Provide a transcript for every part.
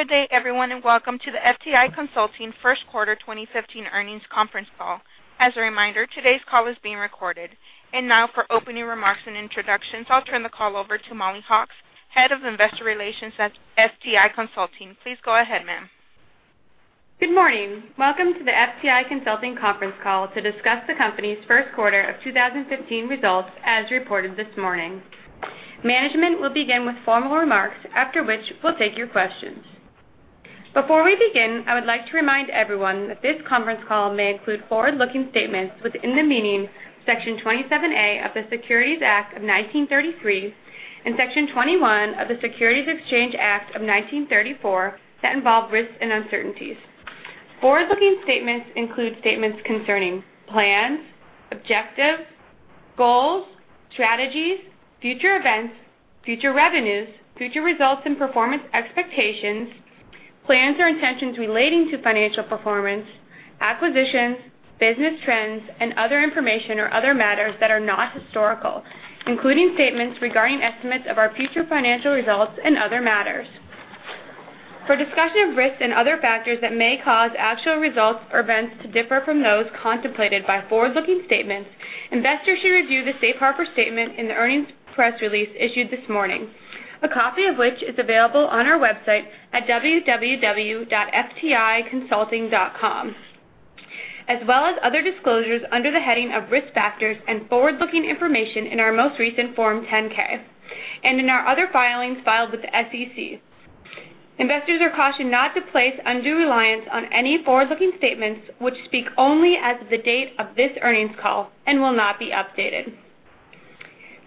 Good day, everyone, and welcome to the FTI Consulting First Quarter 2015 Earnings Conference Call. As a reminder, today's call is being recorded. Now for opening remarks and introductions, I'll turn the call over to Mollie Hawkes, Head of Investor Relations at FTI Consulting. Please go ahead, ma'am. Good morning. Welcome to the FTI Consulting conference call to discuss the company's first quarter of 2015 results, as reported this morning. Management will begin with formal remarks, after which we'll take your questions. Before we begin, I would like to remind everyone that this conference call may include forward-looking statements within the meaning of Section 27A of the Securities Act of 1933 and Section 21E of the Securities Exchange Act of 1934 that involve risks and uncertainties. Forward-looking statements include statements concerning plans, objectives, goals, strategies, future events, future revenues, future results and performance expectations, plans or intentions relating to financial performance, acquisitions, business trends, and other information or other matters that are not historical, including statements regarding estimates of our future financial results and other matters. For a discussion of risks and other factors that may cause actual results or events to differ from those contemplated by forward-looking statements, investors should review the safe harbor statement in the earnings press release issued this morning, a copy of which is available on our website at www.fticonsulting.com, as well as other disclosures under the heading of Risk Factors and Forward-Looking Information in our most recent Form 10-K and in our other filings filed with the SEC. Investors are cautioned not to place undue reliance on any forward-looking statements, which speak only as of the date of this earnings call and will not be updated.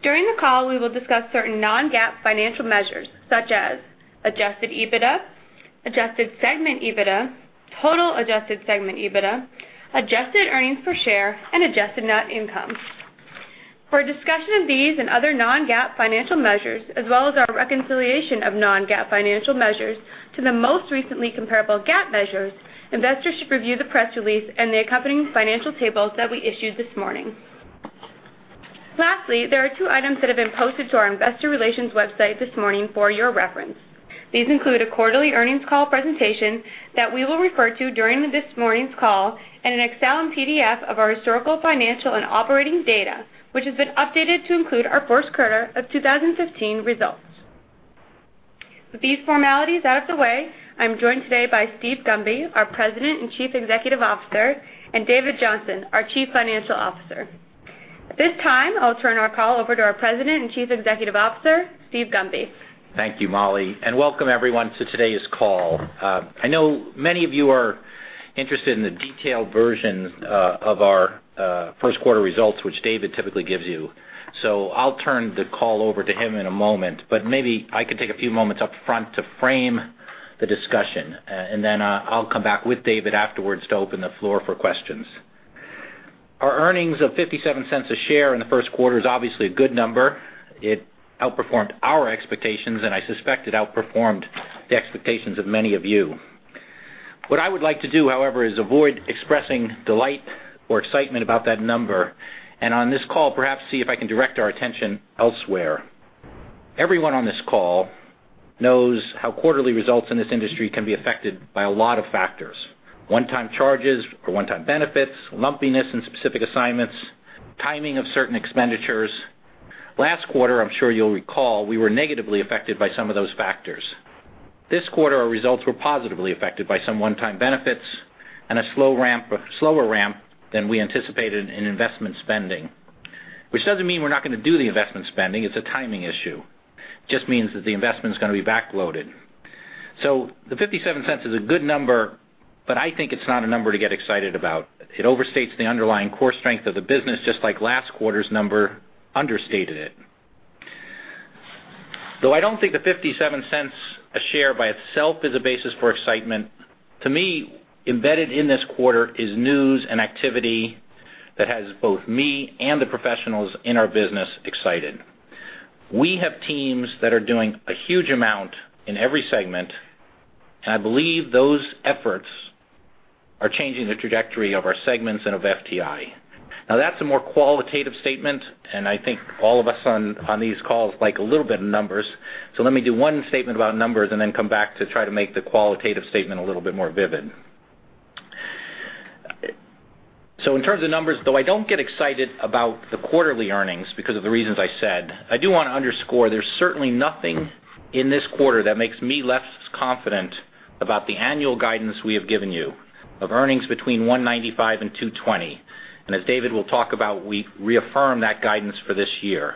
During the call, we will discuss certain non-GAAP financial measures such as adjusted EBITDA, adjusted segment EBITDA, total adjusted segment EBITDA, adjusted earnings per share, and adjusted net income. For a discussion of these and other non-GAAP financial measures, as well as our reconciliation of non-GAAP financial measures to the most recently comparable GAAP measures, investors should review the press release and the accompanying financial tables that we issued this morning. Lastly, there are two items that have been posted to our investor relations website this morning for your reference. These include a quarterly earnings call presentation that we will refer to during this morning's call and an Excel and PDF of our historical, financial, and operating data, which has been updated to include our first quarter of 2015 results. With these formalities out of the way, I'm joined today by Steven Gunby, our President and Chief Executive Officer, and David Johnson, our Chief Financial Officer. At this time, I'll turn our call over to our President and Chief Executive Officer, Steven Gunby. Thank you, Mollie, and welcome everyone to today's call. I know many of you are interested in the detailed versions of our first quarter results, which David typically gives you. I'll turn the call over to him in a moment, but maybe I could take a few moments up front to frame the discussion, and then I'll come back with David afterwards to open the floor for questions. Our earnings of $0.57 a share in the first quarter is obviously a good number. It outperformed our expectations, and I suspect it outperformed the expectations of many of you. What I would like to do, however, is avoid expressing delight or excitement about that number, and on this call, perhaps see if I can direct our attention elsewhere. Everyone on this call knows how quarterly results in this industry can be affected by a lot of factors: one-time charges or one-time benefits, lumpiness in specific assignments, timing of certain expenditures. Last quarter, I'm sure you'll recall, we were negatively affected by some of those factors. This quarter, our results were positively affected by some one-time benefits and a slower ramp than we anticipated in investment spending. Which doesn't mean we're not going to do the investment spending, it's a timing issue. Just means that the investment's going to be back-loaded. The $0.57 is a good number, but I think it's not a number to get excited about. It overstates the underlying core strength of the business, just like last quarter's number understated it. Though I don't think the $0.57 a share by itself is a basis for excitement, to me, embedded in this quarter is news and activity that has both me and the professionals in our business excited. We have teams that are doing a huge amount in every segment, and I believe those efforts are changing the trajectory of our segments and of FTI. That's a more qualitative statement, and I think all of us on these calls like a little bit of numbers. Let me do one statement about numbers and then come back to try to make the qualitative statement a little bit more vivid. In terms of numbers, though I don't get excited about the quarterly earnings because of the reasons I said, I do want to underscore there's certainly nothing in this quarter that makes me less confident about the annual guidance we have given you of earnings between $1.95 and $2.20. As David will talk about, we reaffirm that guidance for this year.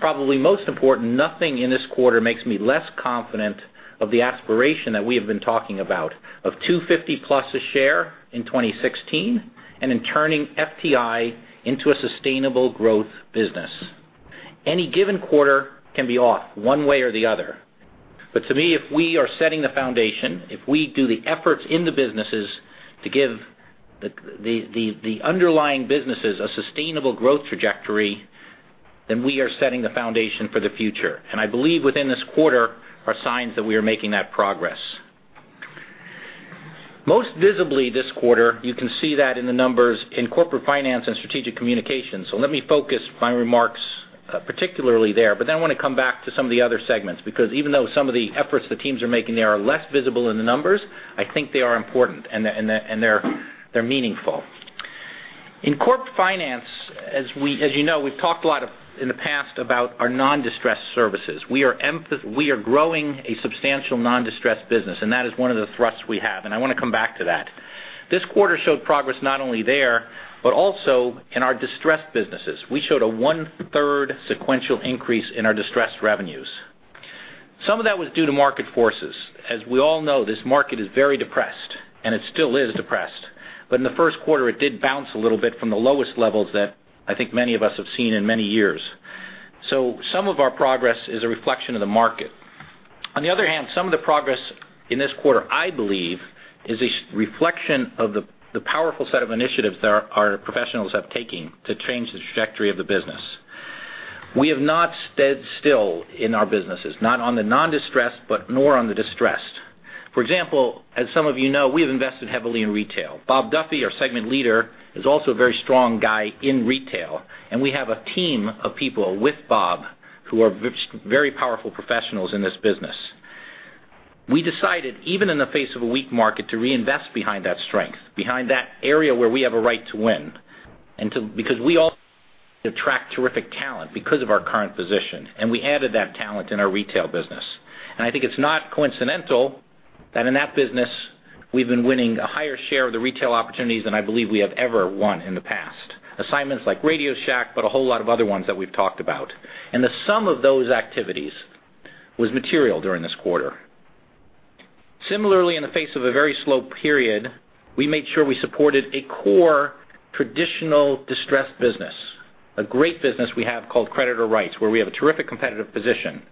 Probably most important, nothing in this quarter makes me less confident of the aspiration that we have been talking about of $2.50-plus a share in 2016 and in turning FTI into a sustainable growth business. Any given quarter can be off one way or the other. To me, if we are setting the foundation, if we do the efforts in the businesses to give the underlying businesses a sustainable growth trajectory, we are setting the foundation for the future. I believe within this quarter are signs that we are making that progress. Most visibly this quarter, you can see that in the numbers in Corporate Finance and Strategic Communications. Let me focus my remarks particularly there, I want to come back to some of the other segments, because even though some of the efforts the teams are making there are less visible in the numbers, I think they are important, and they're meaningful. In Corporate Finance, as you know, we've talked a lot in the past about our non-distressed services. We are growing a substantial non-distressed business, and that is one of the thrusts we have, and I want to come back to that. This quarter showed progress not only there, but also in our distressed businesses. We showed a 1/3 sequential increase in our distressed revenues. Some of that was due to market forces. As we all know, this market is very depressed, and it still is depressed. In the first quarter, it did bounce a little bit from the lowest levels that I think many of us have seen in many years. Some of our progress is a reflection of the market. On the other hand, some of the progress in this quarter, I believe, is a reflection of the powerful set of initiatives that our professionals have taken to change the trajectory of the business. We have not stood still in our businesses, not on the non-distressed, but nor on the distressed. For example, as some of you know, we have invested heavily in retail. Bob Duffy, our segment leader, is also a very strong guy in retail, and we have a team of people with Bob who are very powerful professionals in this business. We decided, even in the face of a weak market, to reinvest behind that strength, behind that area where we have a right to win, and because we attract terrific talent because of our current position, and we added that talent in our retail business. I think it's not coincidental that in that business, we've been winning a higher share of the retail opportunities than I believe we have ever won in the past. Assignments like RadioShack, but a whole lot of other ones that we've talked about. The sum of those activities was material during this quarter. Similarly, in the face of a very slow period, we made sure we supported a core traditional distressed business, a great business we have called Creditor Rights, where we have a terrific competitive position.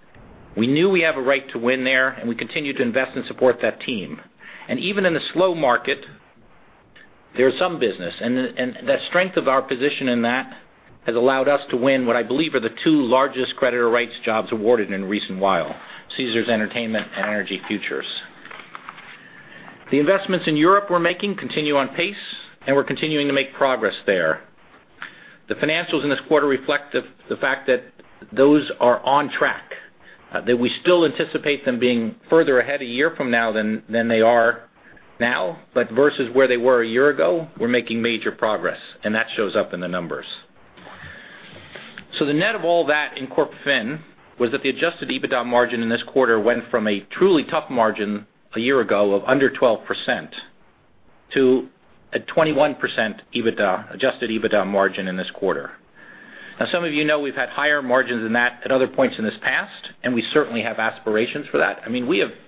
We knew we have a right to win there, and we continue to invest and support that team. Even in a slow market, there is some business. The strength of our position in that has allowed us to win what I believe are the two largest Creditor Rights jobs awarded in a recent while, Caesars Entertainment and Energy Futures. The investments in Europe we're making continue on pace, and we're continuing to make progress there. The financials in this quarter reflect the fact that those are on track, that we still anticipate them being further ahead a year from now than they are now, but versus where they were a year ago, we're making major progress, and that shows up in the numbers. The net of all that in Corp Fin was that the adjusted EBITDA margin in this quarter went from a truly tough margin a year ago of under 12% to a 21% adjusted EBITDA margin in this quarter. Some of you know we've had higher margins than that at other points in this past, and we certainly have aspirations for that.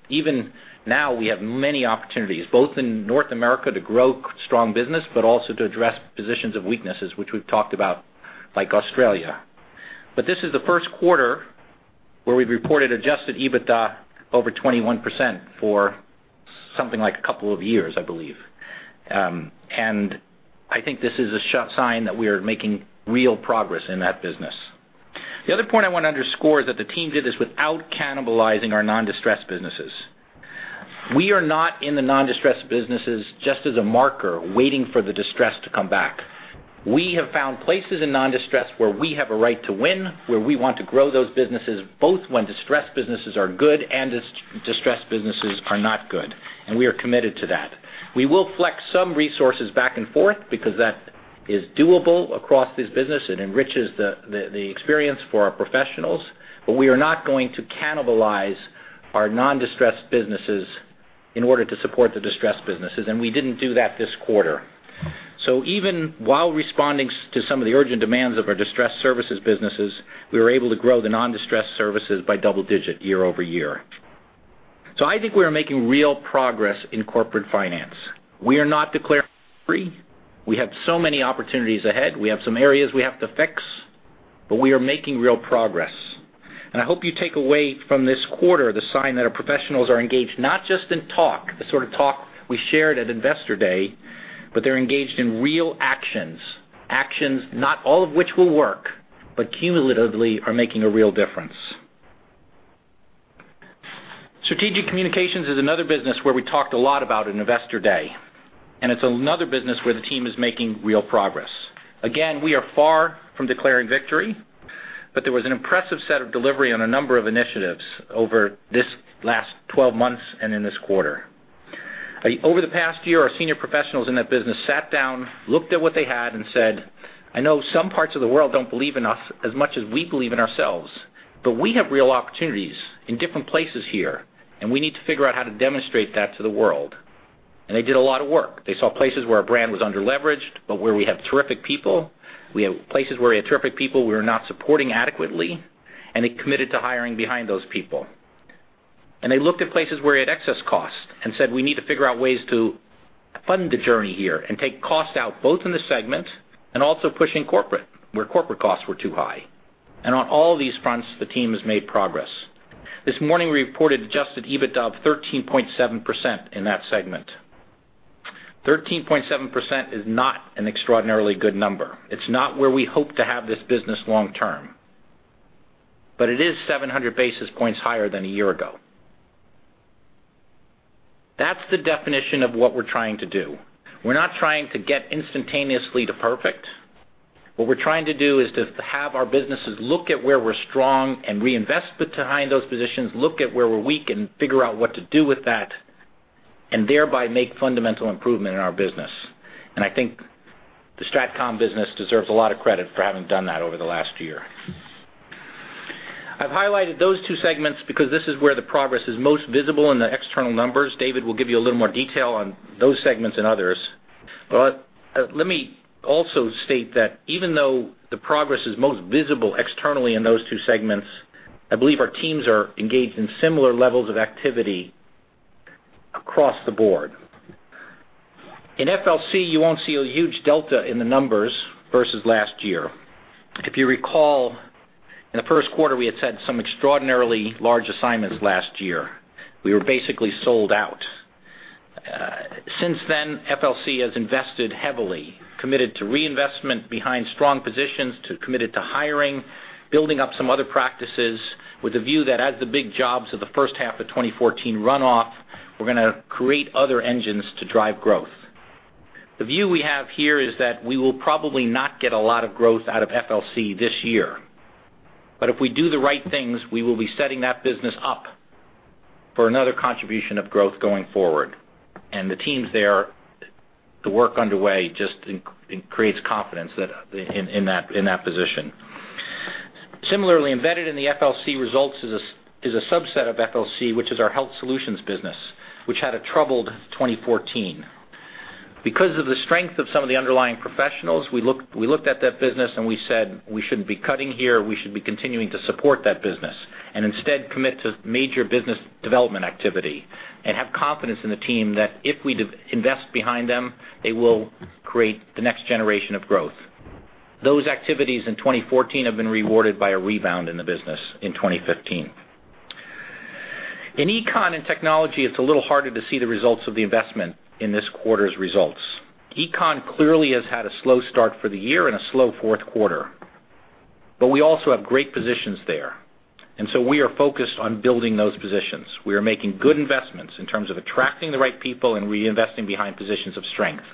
Even now, we have many opportunities, both in North America to grow strong business, but also to address positions of weaknesses, which we've talked about, like Australia. This is the first quarter where we've reported adjusted EBITDA over 21% for something like a couple of years, I believe. I think this is a sign that we are making real progress in that business. The other point I want to underscore is that the team did this without cannibalizing our non-distressed businesses. We are not in the non-distressed businesses just as a marker waiting for the distressed to come back. We have found places in non-distressed where we have a right to win, where we want to grow those businesses, both when distressed businesses are good and distressed businesses are not good, and we are committed to that. We will flex some resources back and forth because that is doable across this business. It enriches the experience for our professionals, but we are not going to cannibalize our non-distressed businesses in order to support the distressed businesses, and we didn't do that this quarter. Even while responding to some of the urgent demands of our distressed services businesses, we were able to grow the non-distressed services by double-digit year-over-year. I think we are making real progress in Corporate Finance. We are not declaring victory. We have so many opportunities ahead. We have some areas we have to fix, but we are making real progress. I hope you take away from this quarter the sign that our professionals are engaged not just in talk, the sort of talk we shared at Investor Day, but they're engaged in real actions. Actions not all of which will work, but cumulatively are making a real difference. Strategic Communications is another business where we talked a lot about at Investor Day, and it's another business where the team is making real progress. Again, we are far from declaring victory, but there was an impressive set of delivery on a number of initiatives over this last 12 months and in this quarter. Over the past year, our senior professionals in that business sat down, looked at what they had and said, "I know some parts of the world don't believe in us as much as we believe in ourselves, but we have real opportunities in different places here, and we need to figure out how to demonstrate that to the world." They did a lot of work. They saw places where our brand was underleveraged, but where we have terrific people. We have places where we had terrific people we were not supporting adequately, and they committed to hiring behind those people. They looked at places where we had excess costs and said, "We need to figure out ways to fund the journey here and take costs out, both in the segment and also pushing corporate, where corporate costs were too high." On all these fronts, the team has made progress. This morning, we reported adjusted EBITDA of 13.7% in that segment. 13.7% is not an extraordinarily good number. It's not where we hope to have this business long term. It is 700 basis points higher than a year ago. That's the definition of what we're trying to do. We're not trying to get instantaneously to perfect. What we're trying to do is to have our businesses look at where we're strong and reinvest behind those positions, look at where we're weak and figure out what to do with that, and thereby make fundamental improvement in our business. I think the Strat Comm business deserves a lot of credit for having done that over the last year. I've highlighted those two segments because this is where the progress is most visible in the external numbers. David will give you a little more detail on those segments and others. Let me also state that even though the progress is most visible externally in those two segments, I believe our teams are engaged in similar levels of activity across the board. In FLC, you won't see a huge delta in the numbers versus last year. If you recall, in the first quarter, we had set some extraordinarily large assignments last year. We were basically sold out. Since then, FLC has invested heavily, committed to reinvestment behind strong positions, committed to hiring, building up some other practices with a view that as the big jobs of the first half of 2014 run off, we're going to create other engines to drive growth. The view we have here is that we will probably not get a lot of growth out of FLC this year. If we do the right things, we will be setting that business up for another contribution of growth going forward. The teams there, the work underway just creates confidence in that position. Similarly, embedded in the FLC results is a subset of FLC, which is our health solutions business, which had a troubled 2014. Because of the strength of some of the underlying professionals, we looked at that business and we said, "We shouldn't be cutting here. We should be continuing to support that business, and instead commit to major business development activity, and have confidence in the team that if we invest behind them, they will create the next generation of growth." Those activities in 2014 have been rewarded by a rebound in the business in 2015. In econ and technology, it's a little harder to see the results of the investment in this quarter's results. Econ clearly has had a slow start for the year and a slow fourth quarter. We also have great positions there. We are focused on building those positions. We are making good investments in terms of attracting the right people and reinvesting behind positions of strength.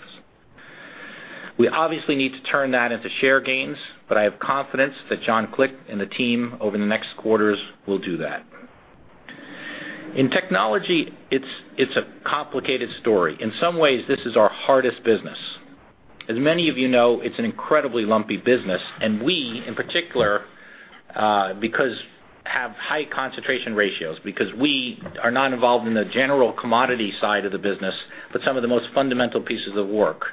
We obviously need to turn that into share gains, I have confidence that John Klick and the team over the next quarters will do that. In technology, it's a complicated story. In some ways, this is our hardest business. As many of you know, it's an incredibly lumpy business, and we in particular because have high concentration ratios, because we are not involved in the general commodity side of the business, but some of the most fundamental pieces of work,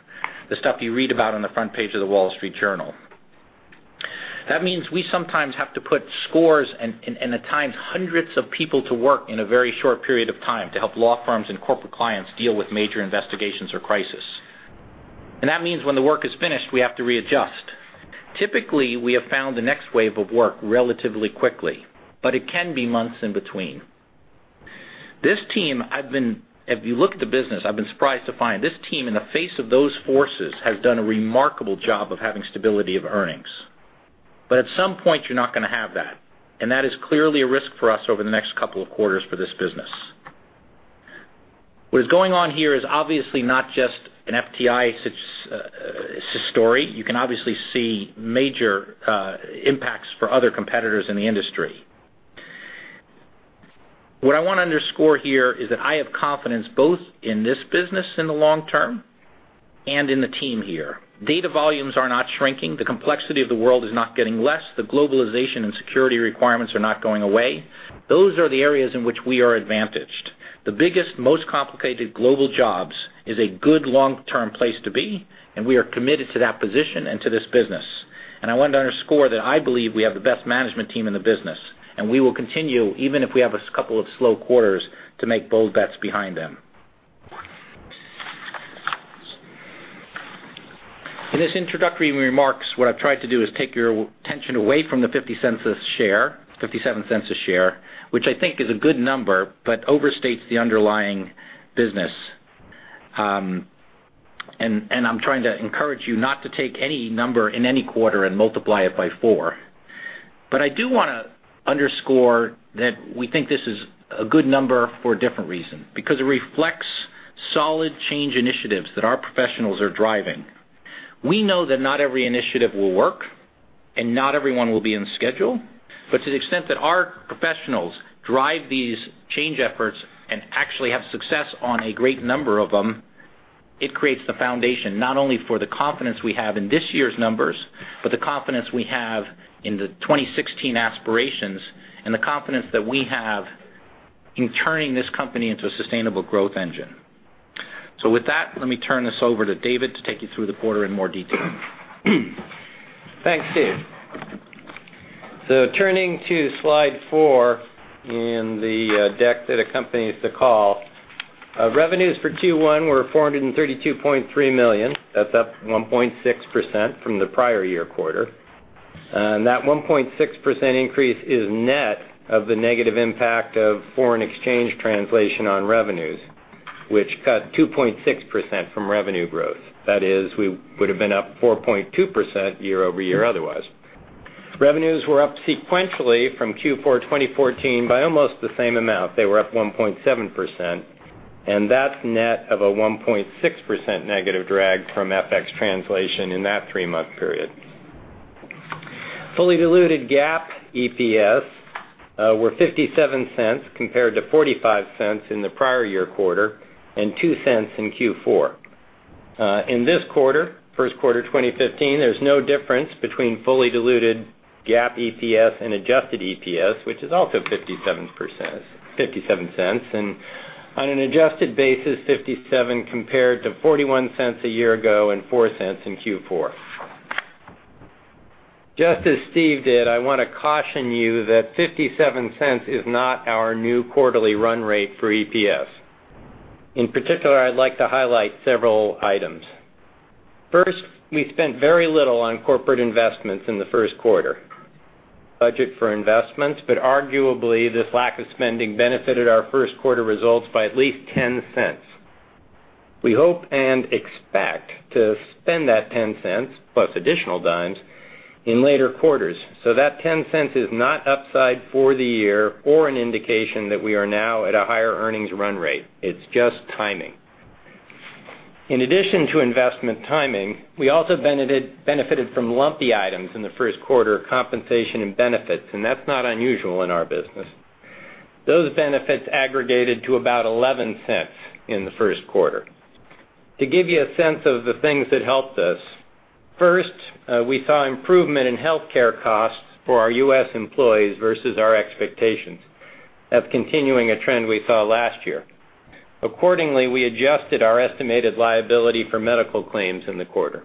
the stuff you read about on the front page of The Wall Street Journal. That means we sometimes have to put scores and, at times, hundreds of people to work in a very short period of time to help law firms and corporate clients deal with major investigations or crises. That means when the work is finished, we have to readjust. Typically, we have found the next wave of work relatively quickly, but it can be months in between. If you look at the business, I've been surprised to find this team in the face of those forces, has done a remarkable job of having stability of earnings. At some point, you're not going to have that, and that is clearly a risk for us over the next couple of quarters for this business. What is going on here is obviously not just an FTI story. You can obviously see major impacts for other competitors in the industry. What I want to underscore here is that I have confidence both in this business in the long term and in the team here. Data volumes are not shrinking. The complexity of the world is not getting less. The globalization and security requirements are not going away. Those are the areas in which we are advantaged. The biggest, most complicated global jobs is a good long-term place to be, and we are committed to that position and to this business. I want to underscore that I believe we have the best management team in the business, and we will continue, even if we have a couple of slow quarters, to make bold bets behind them. In this introductory remarks, what I've tried to do is take your attention away from the $0.57 a share, which I think is a good number, but overstates the underlying business. I'm trying to encourage you not to take any number in any quarter and multiply it by four. I do want to underscore that we think this is a good number for a different reason, because it reflects solid change initiatives that our professionals are driving. We know that not every initiative will work and not everyone will be on schedule, but to the extent that our professionals drive these change efforts and actually have success on a great number of them, it creates the foundation, not only for the confidence we have in this year's numbers, but the confidence we have in the 2016 aspirations and the confidence that we have in turning this company into a sustainable growth engine. With that, let me turn this over to David to take you through the quarter in more detail. Thanks, Steve. Turning to slide four in the deck that accompanies the call. Revenues for Q1 were $432.3 million. That is up 1.6% from the prior year quarter. That 1.6% increase is net of the negative impact of FX translation on revenues, which cut 2.6% from revenue growth. That is, we would have been up 4.2% year-over-year otherwise. Revenues were up sequentially from Q4 2014 by almost the same amount. They were up 1.7%, and that is net of a 1.6% negative drag from FX translation in that three-month period. Fully diluted GAAP EPS were $0.57 compared to $0.45 in the prior year quarter, and $0.02 in Q4. In this quarter, first quarter 2015, there is no difference between fully diluted GAAP EPS and adjusted EPS, which is also $0.57. On an adjusted basis, $0.57 compared to $0.41 a year ago, and $0.04 in Q4. Just as Steve did, I want to caution you that $0.57 is not our new quarterly run rate for EPS. In particular, I would like to highlight several items. First, we spent very little on corporate investments in the first quarter. Budget for investments, but arguably, this lack of spending benefited our first quarter results by at least $0.10. We hope and expect to spend that $0.10, plus additional dimes, in later quarters. That $0.10 is not upside for the year or an indication that we are now at a higher earnings run rate. It is just timing. In addition to investment timing, we also benefited from lumpy items in the first quarter, compensation and benefits, and that is not unusual in our business. Those benefits aggregated to about $0.11 in the first quarter. To give you a sense of the things that helped us, first, we saw improvement in healthcare costs for our U.S. employees versus our expectations, that is continuing a trend we saw last year. Accordingly, we adjusted our estimated liability for medical claims in the quarter.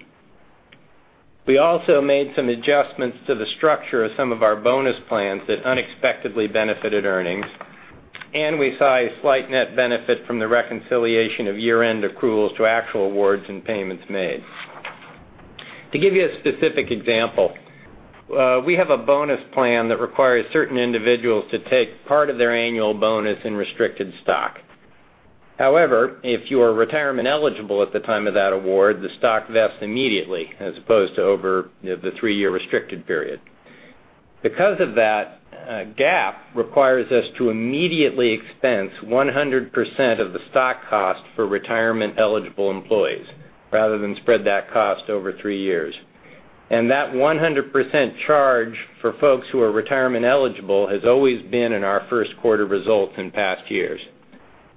We also made some adjustments to the structure of some of our bonus plans that unexpectedly benefited earnings, and we saw a slight net benefit from the reconciliation of year-end accruals to actual awards and payments made. To give you a specific example, we have a bonus plan that requires certain individuals to take part of their annual bonus in restricted stock. However, if you are retirement eligible at the time of that award, the stock vests immediately as opposed to over the three-year restricted period. Because of that, GAAP requires us to immediately expense 100% of the stock cost for retirement eligible employees rather than spread that cost over three years. That 100% charge for folks who are retirement eligible has always been in our first quarter results in past years,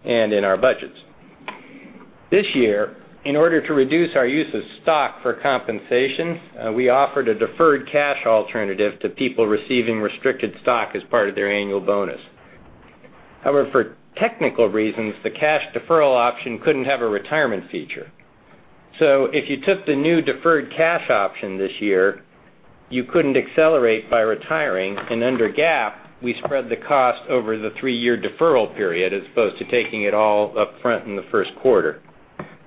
and in our budgets. This year, in order to reduce our use of stock for compensation, we offered a deferred cash alternative to people receiving restricted stock as part of their annual bonus. However, for technical reasons, the cash deferral option could not have a retirement feature. If you took the new deferred cash option this year, you could not accelerate by retiring, and under GAAP, we spread the cost over the three-year deferral period as opposed to taking it all up front in the first quarter.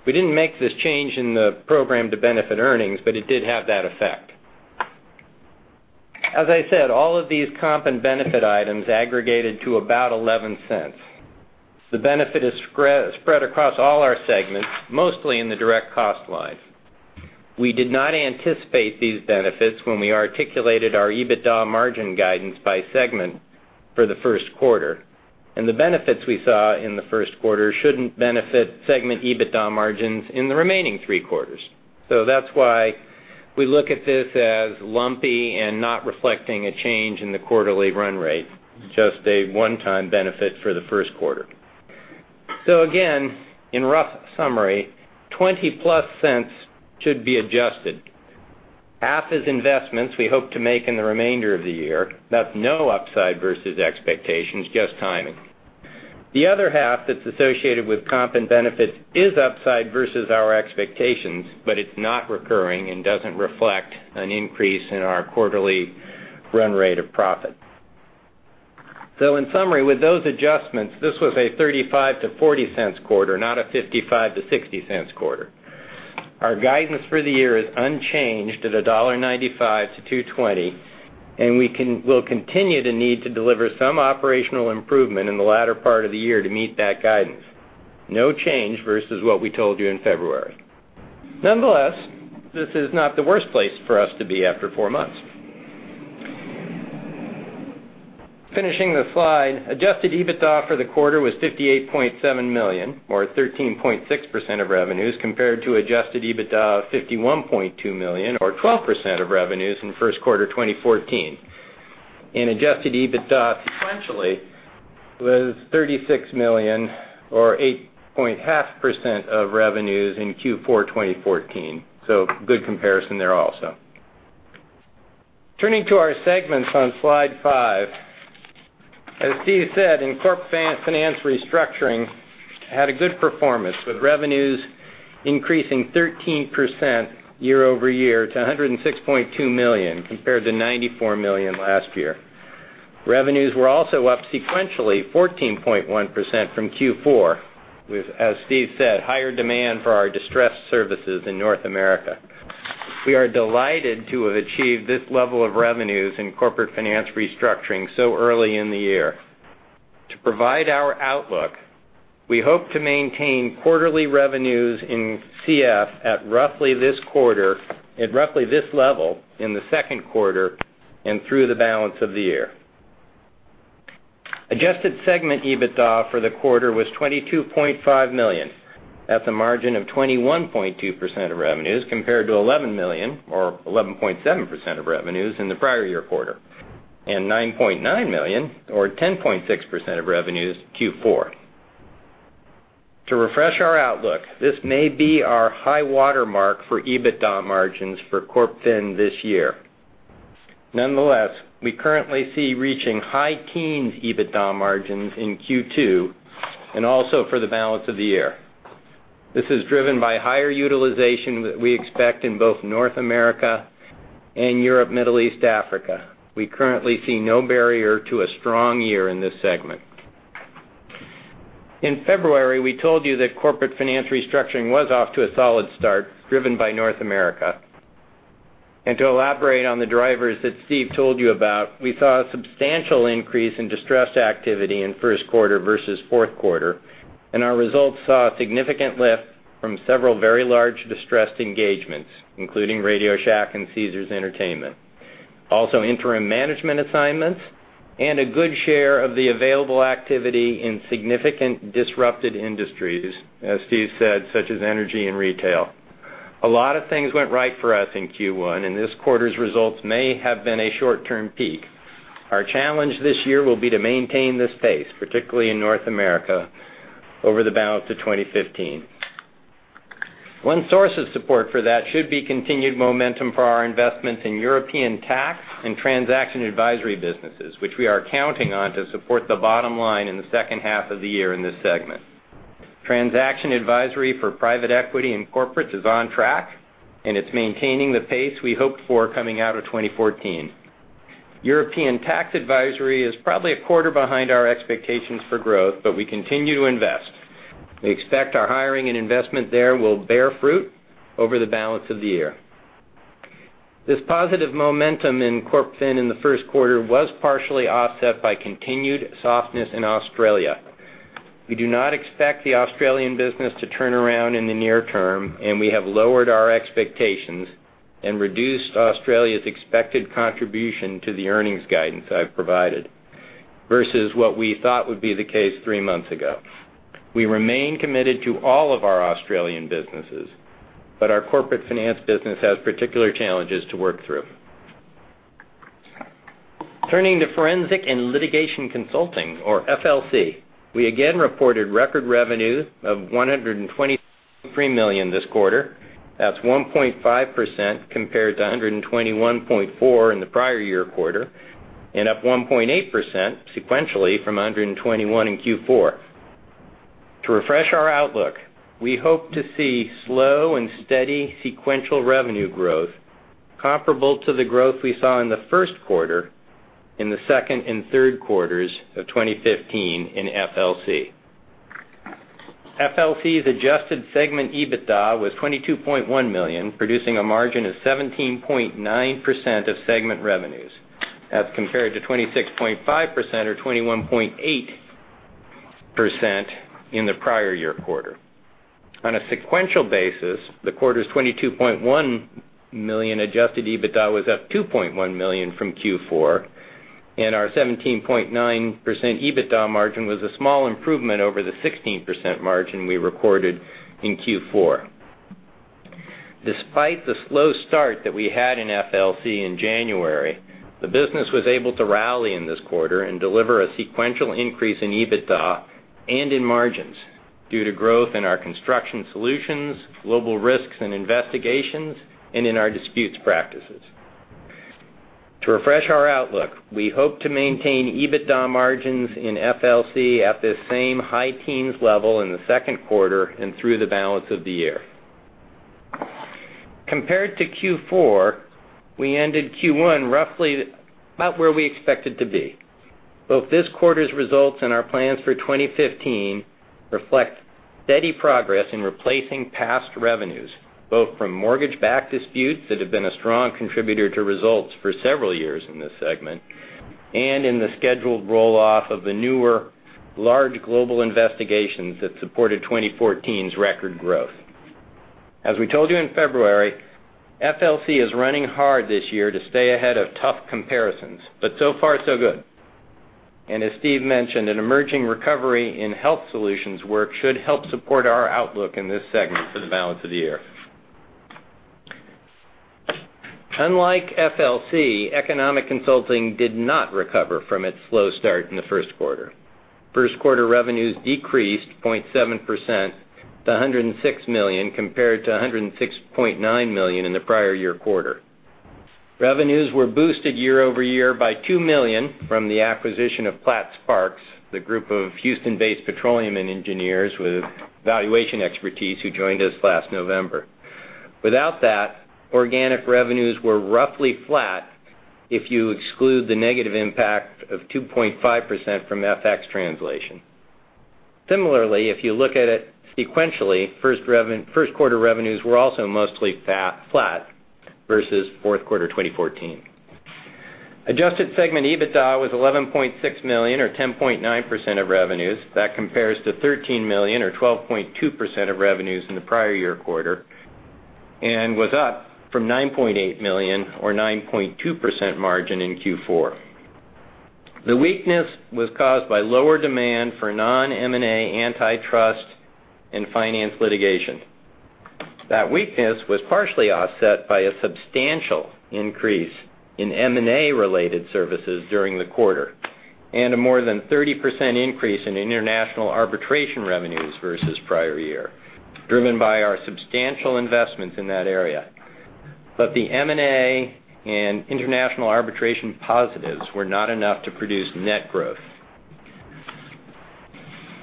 We did not make this change in the program to benefit earnings, but it did have that effect. As I said, all of these comp and benefit items aggregated to about $0.11. The benefit is spread across all our segments, mostly in the direct cost line. We did not anticipate these benefits when we articulated our EBITDA margin guidance by segment for the first quarter. The benefits we saw in the first quarter shouldn't benefit segment EBITDA margins in the remaining three quarters. That's why we look at this as lumpy and not reflecting a change in the quarterly run rate, just a one-time benefit for the first quarter. Again, in rough summary, $0.20+ should be adjusted. Half is investments we hope to make in the remainder of the year. That's no upside versus expectations, just timing. The other half that's associated with comp and benefits is upside versus our expectations, but it's not recurring and doesn't reflect an increase in our quarterly run rate of profit. In summary, with those adjustments, this was a $0.35-$0.40 quarter, not a $0.55-$0.60 quarter. Our guidance for the year is unchanged at $1.95-$2.20, and we'll continue to need to deliver some operational improvement in the latter part of the year to meet that guidance. No change versus what we told you in February. Nonetheless, this is not the worst place for us to be after four months. Finishing the slide, adjusted EBITDA for the quarter was $58.7 million, or 13.6% of revenues, compared to adjusted EBITDA of $51.2 million, or 12% of revenues, in the first quarter 2014. Adjusted EBITDA sequentially was $36 million or 8.5% of revenues in Q4 2014. Good comparison there also. Turning to our segments on slide five. As Steve said, Corporate Finance & Restructuring had a good performance, with revenues increasing 13% year-over-year to $106.2 million compared to $94 million last year. Revenues were also up sequentially 14.1% from Q4 with, as Steve said, higher demand for our distressed services in North America. We are delighted to have achieved this level of revenues in Corporate Finance & Restructuring so early in the year. To provide our outlook, we hope to maintain quarterly revenues in CF at roughly this level in the second quarter and through the balance of the year. Adjusted segment EBITDA for the quarter was $22.5 million at the margin of 21.2% of revenues, compared to $11 million or 11.7% of revenues in the prior year quarter, and $9.9 million or 10.6% of revenues Q4. To refresh our outlook, this may be our high water mark for EBITDA margins for CorpFin this year. Nonetheless, we currently see reaching high teens EBITDA margins in Q2 and also for the balance of the year. This is driven by higher utilization that we expect in both North America and Europe, Middle East, Africa. We currently see no barrier to a strong year in this segment. In February, we told you that Corporate Finance & Restructuring was off to a solid start, driven by North America. To elaborate on the drivers that Steve told you about, we saw a substantial increase in distressed activity in first quarter versus fourth quarter, and our results saw a significant lift from several very large distressed engagements, including RadioShack and Caesars Entertainment. Also, interim management assignments and a good share of the available activity in significant disrupted industries, as Steve said, such as energy and retail. A lot of things went right for us in Q1, and this quarter's results may have been a short-term peak. Our challenge this year will be to maintain this pace, particularly in North America over the balance of 2015. One source of support for that should be continued momentum for our investments in European tax and transaction advisory businesses, which we are counting on to support the bottom line in the second half of the year in this segment. Transaction advisory for private equity and corporates is on track, and it's maintaining the pace we hoped for coming out of 2014. European tax advisory is probably a quarter behind our expectations for growth, but we continue to invest. We expect our hiring and investment there will bear fruit over the balance of the year. This positive momentum in CorpFin in the first quarter was partially offset by continued softness in Australia. We do not expect the Australian business to turn around in the near term, and we have lowered our expectations and reduced Australia's expected contribution to the earnings guidance I've provided versus what we thought would be the case three months ago. We remain committed to all of our Australian businesses, but our corporate finance business has particular challenges to work through. Turning to Forensic and Litigation Consulting or FLC, we again reported record revenue of $123 million this quarter. That's 1.5% compared to $121.4 million in the prior year quarter, and up 1.8% sequentially from $121 million in Q4. To refresh our outlook, we hope to see slow and steady sequential revenue growth comparable to the growth we saw in the first quarter in the second and third quarters of 2015 in FLC. FLC's adjusted segment EBITDA was $22.1 million, producing a margin of 17.9% of segment revenues. That's compared to 26.5% or 21.8% in the prior year quarter. On a sequential basis, the quarter's $22.1 million adjusted EBITDA was up $2.1 million from Q4, and our 17.9% EBITDA margin was a small improvement over the 16% margin we recorded in Q4. Despite the slow start that we had in FLC in January, the business was able to rally in this quarter and deliver a sequential increase in EBITDA and in margins due to growth in our construction solutions, global risks and investigations, and in our disputes practices. To refresh our outlook, we hope to maintain EBITDA margins in FLC at the same high teens level in the second quarter and through the balance of the year. Compared to Q4, we ended Q1 roughly about where we expected to be. Both this quarter's results and our plans for 2015 reflect steady progress in replacing past revenues, both from mortgage-backed disputes that have been a strong contributor to results for several years in this segment, and in the scheduled roll-off of the newer large global investigations that supported 2014's record growth. As we told you in February, FLC is running hard this year to stay ahead of tough comparisons, but so far so good. As Steve mentioned, an emerging recovery in health solutions work should help support our outlook in this segment for the balance of the year. Unlike FLC, Economic Consulting did not recover from its slow start in the first quarter. First-quarter revenues decreased 0.7% to $106 million, compared to $106.9 million in the prior year quarter. Revenues were boosted year-over-year by $2 million from the acquisition of Platt, Sparks, the group of Houston-based petroleum and engineers with valuation expertise who joined us last November. Without that, organic revenues were roughly flat if you exclude the negative impact of 2.5% from FX translation. Similarly, if you look at it sequentially, first-quarter revenues were also mostly flat versus fourth quarter 2014. Adjusted segment EBITDA was $11.6 million, or 10.9% of revenues. That compares to $13 million, or 12.2% of revenues in the prior year quarter, and was up from $9.8 million, or 9.2% margin in Q4. The weakness was caused by lower demand for non-M&A antitrust and finance litigation. That weakness was partially offset by a substantial increase in M&A-related services during the quarter, and a more than 30% increase in international arbitration revenues versus prior year, driven by our substantial investments in that area. The M&A and international arbitration positives were not enough to produce net growth.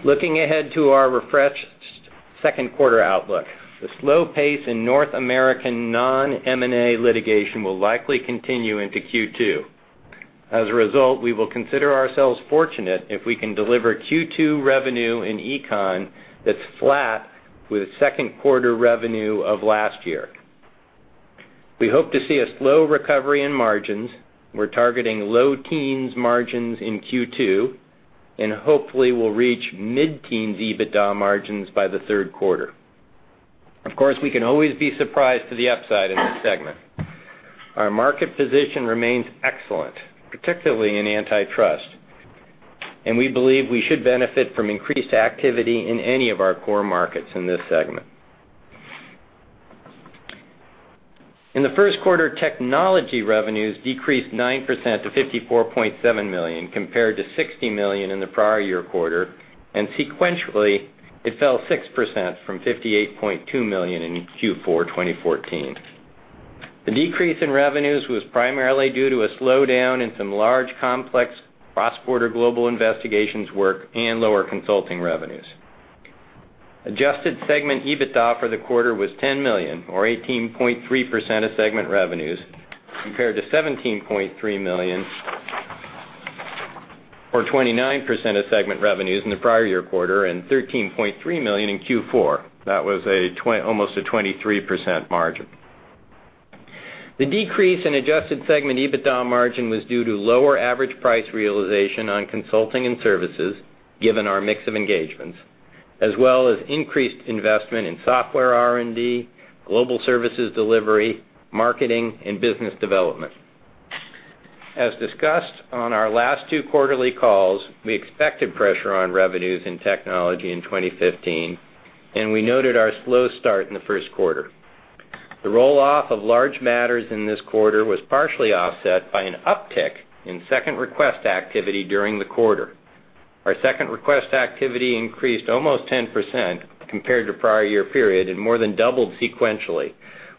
Looking ahead to our refreshed second quarter outlook, the slow pace in North American non-M&A litigation will likely continue into Q2. As a result, we will consider ourselves fortunate if we can deliver Q2 revenue in econ that's flat with second quarter revenue of last year. We hope to see a slow recovery in margins. We're targeting low teens margins in Q2, and hopefully we'll reach mid-teen EBITDA margins by the third quarter. Of course, we can always be surprised to the upside in this segment. Our market position remains excellent, particularly in antitrust, and we believe we should benefit from increased activity in any of our core markets in this segment. In the first quarter, technology revenues decreased 9% to $54.7 million compared to $60 million in the prior year quarter, and sequentially, it fell 6% from $58.2 million in Q4 2014. The decrease in revenues was primarily due to a slowdown in some large, complex cross-border global investigations work and lower consulting revenues. Adjusted segment EBITDA for the quarter was $10 million, or 18.3% of segment revenues, compared to $17.3 million, or 29% of segment revenues in the prior year quarter, and $13.3 million in Q4. That was almost a 23% margin. The decrease in adjusted segment EBITDA margin was due to lower average price realization on consulting and services, given our mix of engagements, as well as increased investment in software R&D, global services delivery, marketing, and business development. As discussed on our last two quarterly calls, we expected pressure on revenues in technology in 2015, and we noted our slow start in the first quarter. The roll-off of large matters in this quarter was partially offset by an uptick in Second Request activity during the quarter. Our Second Request activity increased almost 10% compared to prior-year period and more than doubled sequentially,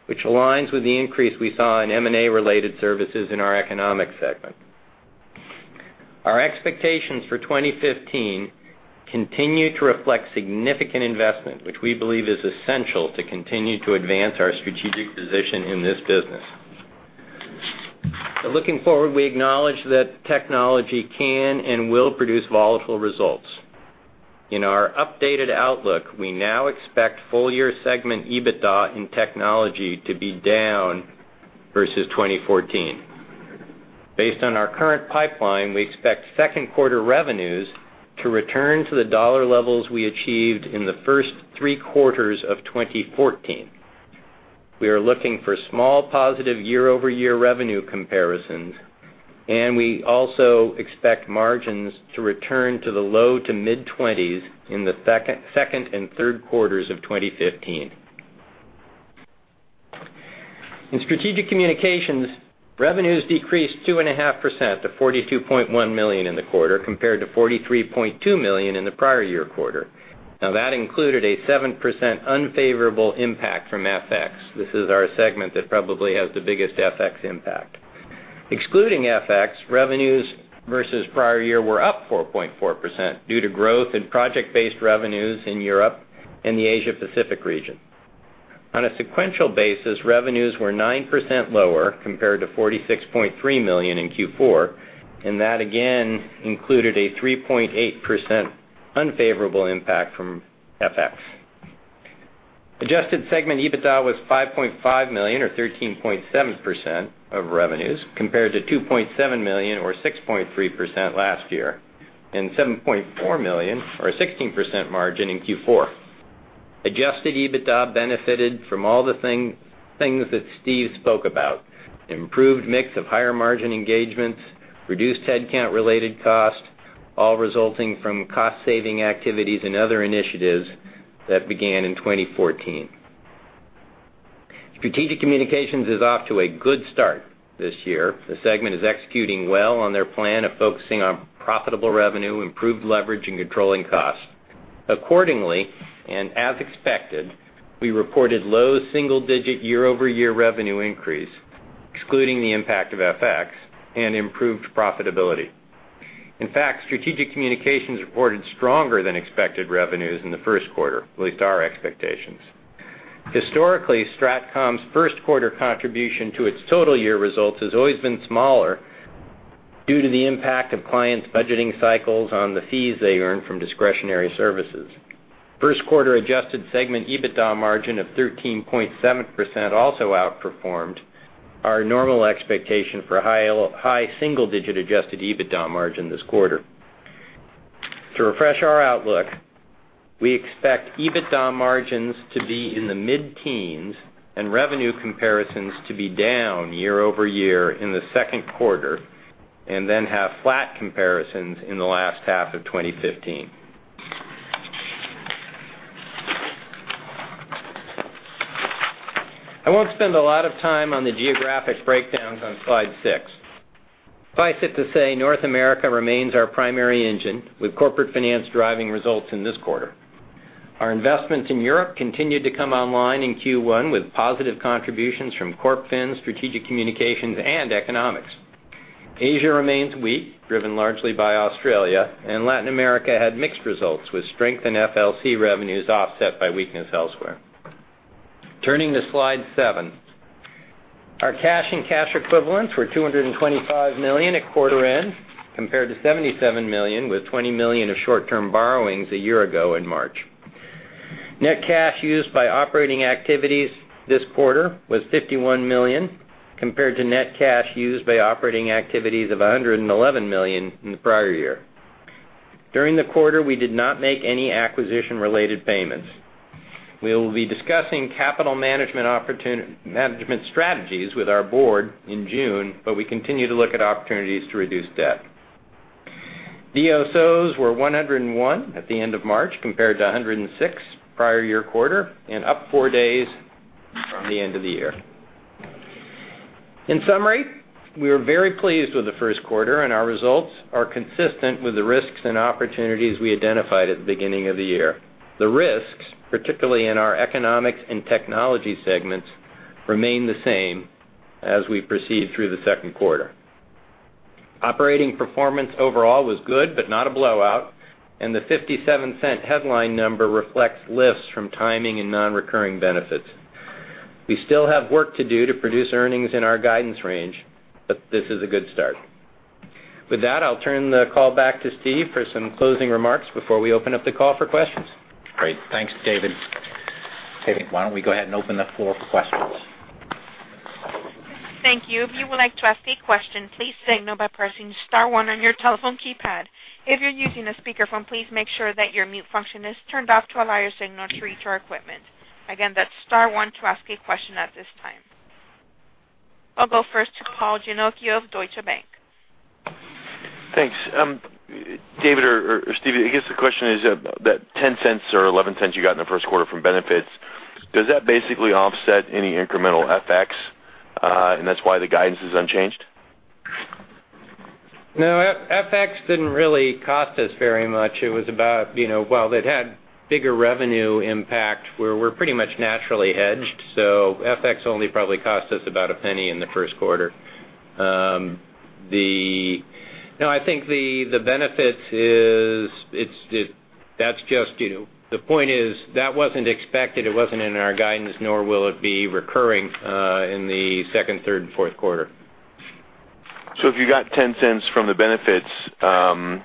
which aligns with the increase we saw in M&A-related services in our Economic Consulting segment. Our expectations for 2015 continue to reflect significant investment, which we believe is essential to continue to advance our strategic position in this business. Looking forward, we acknowledge that technology can and will produce volatile results. In our updated outlook, we now expect full-year segment EBITDA in technology to be down versus 2014. Based on our current pipeline, we expect second quarter revenues to return to the $ levels we achieved in the first three quarters of 2014. We are looking for small positive year-over-year revenue comparisons, and we also expect margins to return to the low-to-mid 20s in the second and third quarters of 2015. In Strategic Communications, revenues decreased 2.5% to $42.1 million in the quarter, compared to $43.2 million in the prior-year quarter. That included a 7% unfavorable impact from FX. This is our segment that probably has the biggest FX impact. Excluding FX, revenues versus prior-year were up 4.4% due to growth in project-based revenues in Europe and the Asia-Pacific region. On a sequential basis, revenues were 9% lower compared to $46.3 million in Q4, and that again included a 3.8% unfavorable impact from FX. Adjusted segment EBITDA was $5.5 million, or 13.7% of revenues, compared to $2.7 million or 6.3% last year, and $7.4 million or a 16% margin in Q4. Adjusted EBITDA benefited from all the things that Steve spoke about. Improved mix of higher margin engagements, reduced headcount-related costs, all resulting from cost-saving activities and other initiatives that began in 2014. Strategic Communications is off to a good start this year. The segment is executing well on their plan of focusing on profitable revenue, improved leverage, and controlling costs. Accordingly, as expected, we reported low single-digit year-over-year revenue increase, excluding the impact of FX, and improved profitability. In fact, Strategic Communications reported stronger than expected revenues in the first quarter, at least our expectations. Historically, Strat Comm's first quarter contribution to its total-year results has always been smaller due to the impact of clients' budgeting cycles on the fees they earn from discretionary services. First quarter adjusted segment EBITDA margin of 13.7% also outperformed our normal expectation for high single-digit adjusted EBITDA margin this quarter. To refresh our outlook, we expect EBITDA margins to be in the mid-teens and revenue comparisons to be down year-over-year in the second quarter, and then have flat comparisons in the last half of 2015. I won't spend a lot of time on the geographic breakdowns on slide six. Suffice it to say, North America remains our primary engine, with Corporate Finance driving results in this quarter. Our investments in Europe continued to come online in Q1 with positive contributions from Corp Fin, Strategic Communications, and Economic Consulting. Asia remains weak, driven largely by Australia, and Latin America had mixed results, with strength in FLC revenues offset by weakness elsewhere. Turning to slide seven. Our cash and cash equivalents were $225 million at quarter end, compared to $77 million, with $20 million of short-term borrowings a year ago in March. Net cash used by operating activities this quarter was $51 million, compared to net cash used by operating activities of $111 million in the prior year. During the quarter, we did not make any acquisition-related payments. We will be discussing capital management strategies with our board in June. We continue to look at opportunities to reduce debt. DSOs were 101 at the end of March, compared to 106 prior year quarter, and up four days from the end of the year. In summary, we are very pleased with the first quarter, and our results are consistent with the risks and opportunities we identified at the beginning of the year. The risks, particularly in our economics and technology segments, remain the same as we proceed through the second quarter. Operating performance overall was good but not a blowout, and the $0.57 headline number reflects lifts from timing and non-recurring benefits. We still have work to do to produce earnings in our guidance range. This is a good start. With that, I'll turn the call back to Steve for some closing remarks before we open up the call for questions. Great. Thanks, David. David, why don't we go ahead and open the floor for questions? Thank you. If you would like to ask a question, please signal by pressing *1 on your telephone keypad. If you're using a speakerphone, please make sure that your mute function is turned off to allow your signal to reach our equipment. Again, that's *1 to ask a question at this time. I'll go first to Paul Ginocchio of Deutsche Bank. Thanks. David or Steve, I guess the question is, that $0.10 or $0.11 you got in the first quarter from benefits, does that basically offset any incremental FX, that's why the guidance is unchanged? FX didn't really cost us very much. While it had bigger revenue impact, we're pretty much naturally hedged, FX only probably cost us about $0.01 in the first quarter. The point is, that wasn't expected, it wasn't in our guidance, nor will it be recurring in the second, third, and fourth quarter. If you got $0.10 from the benefits that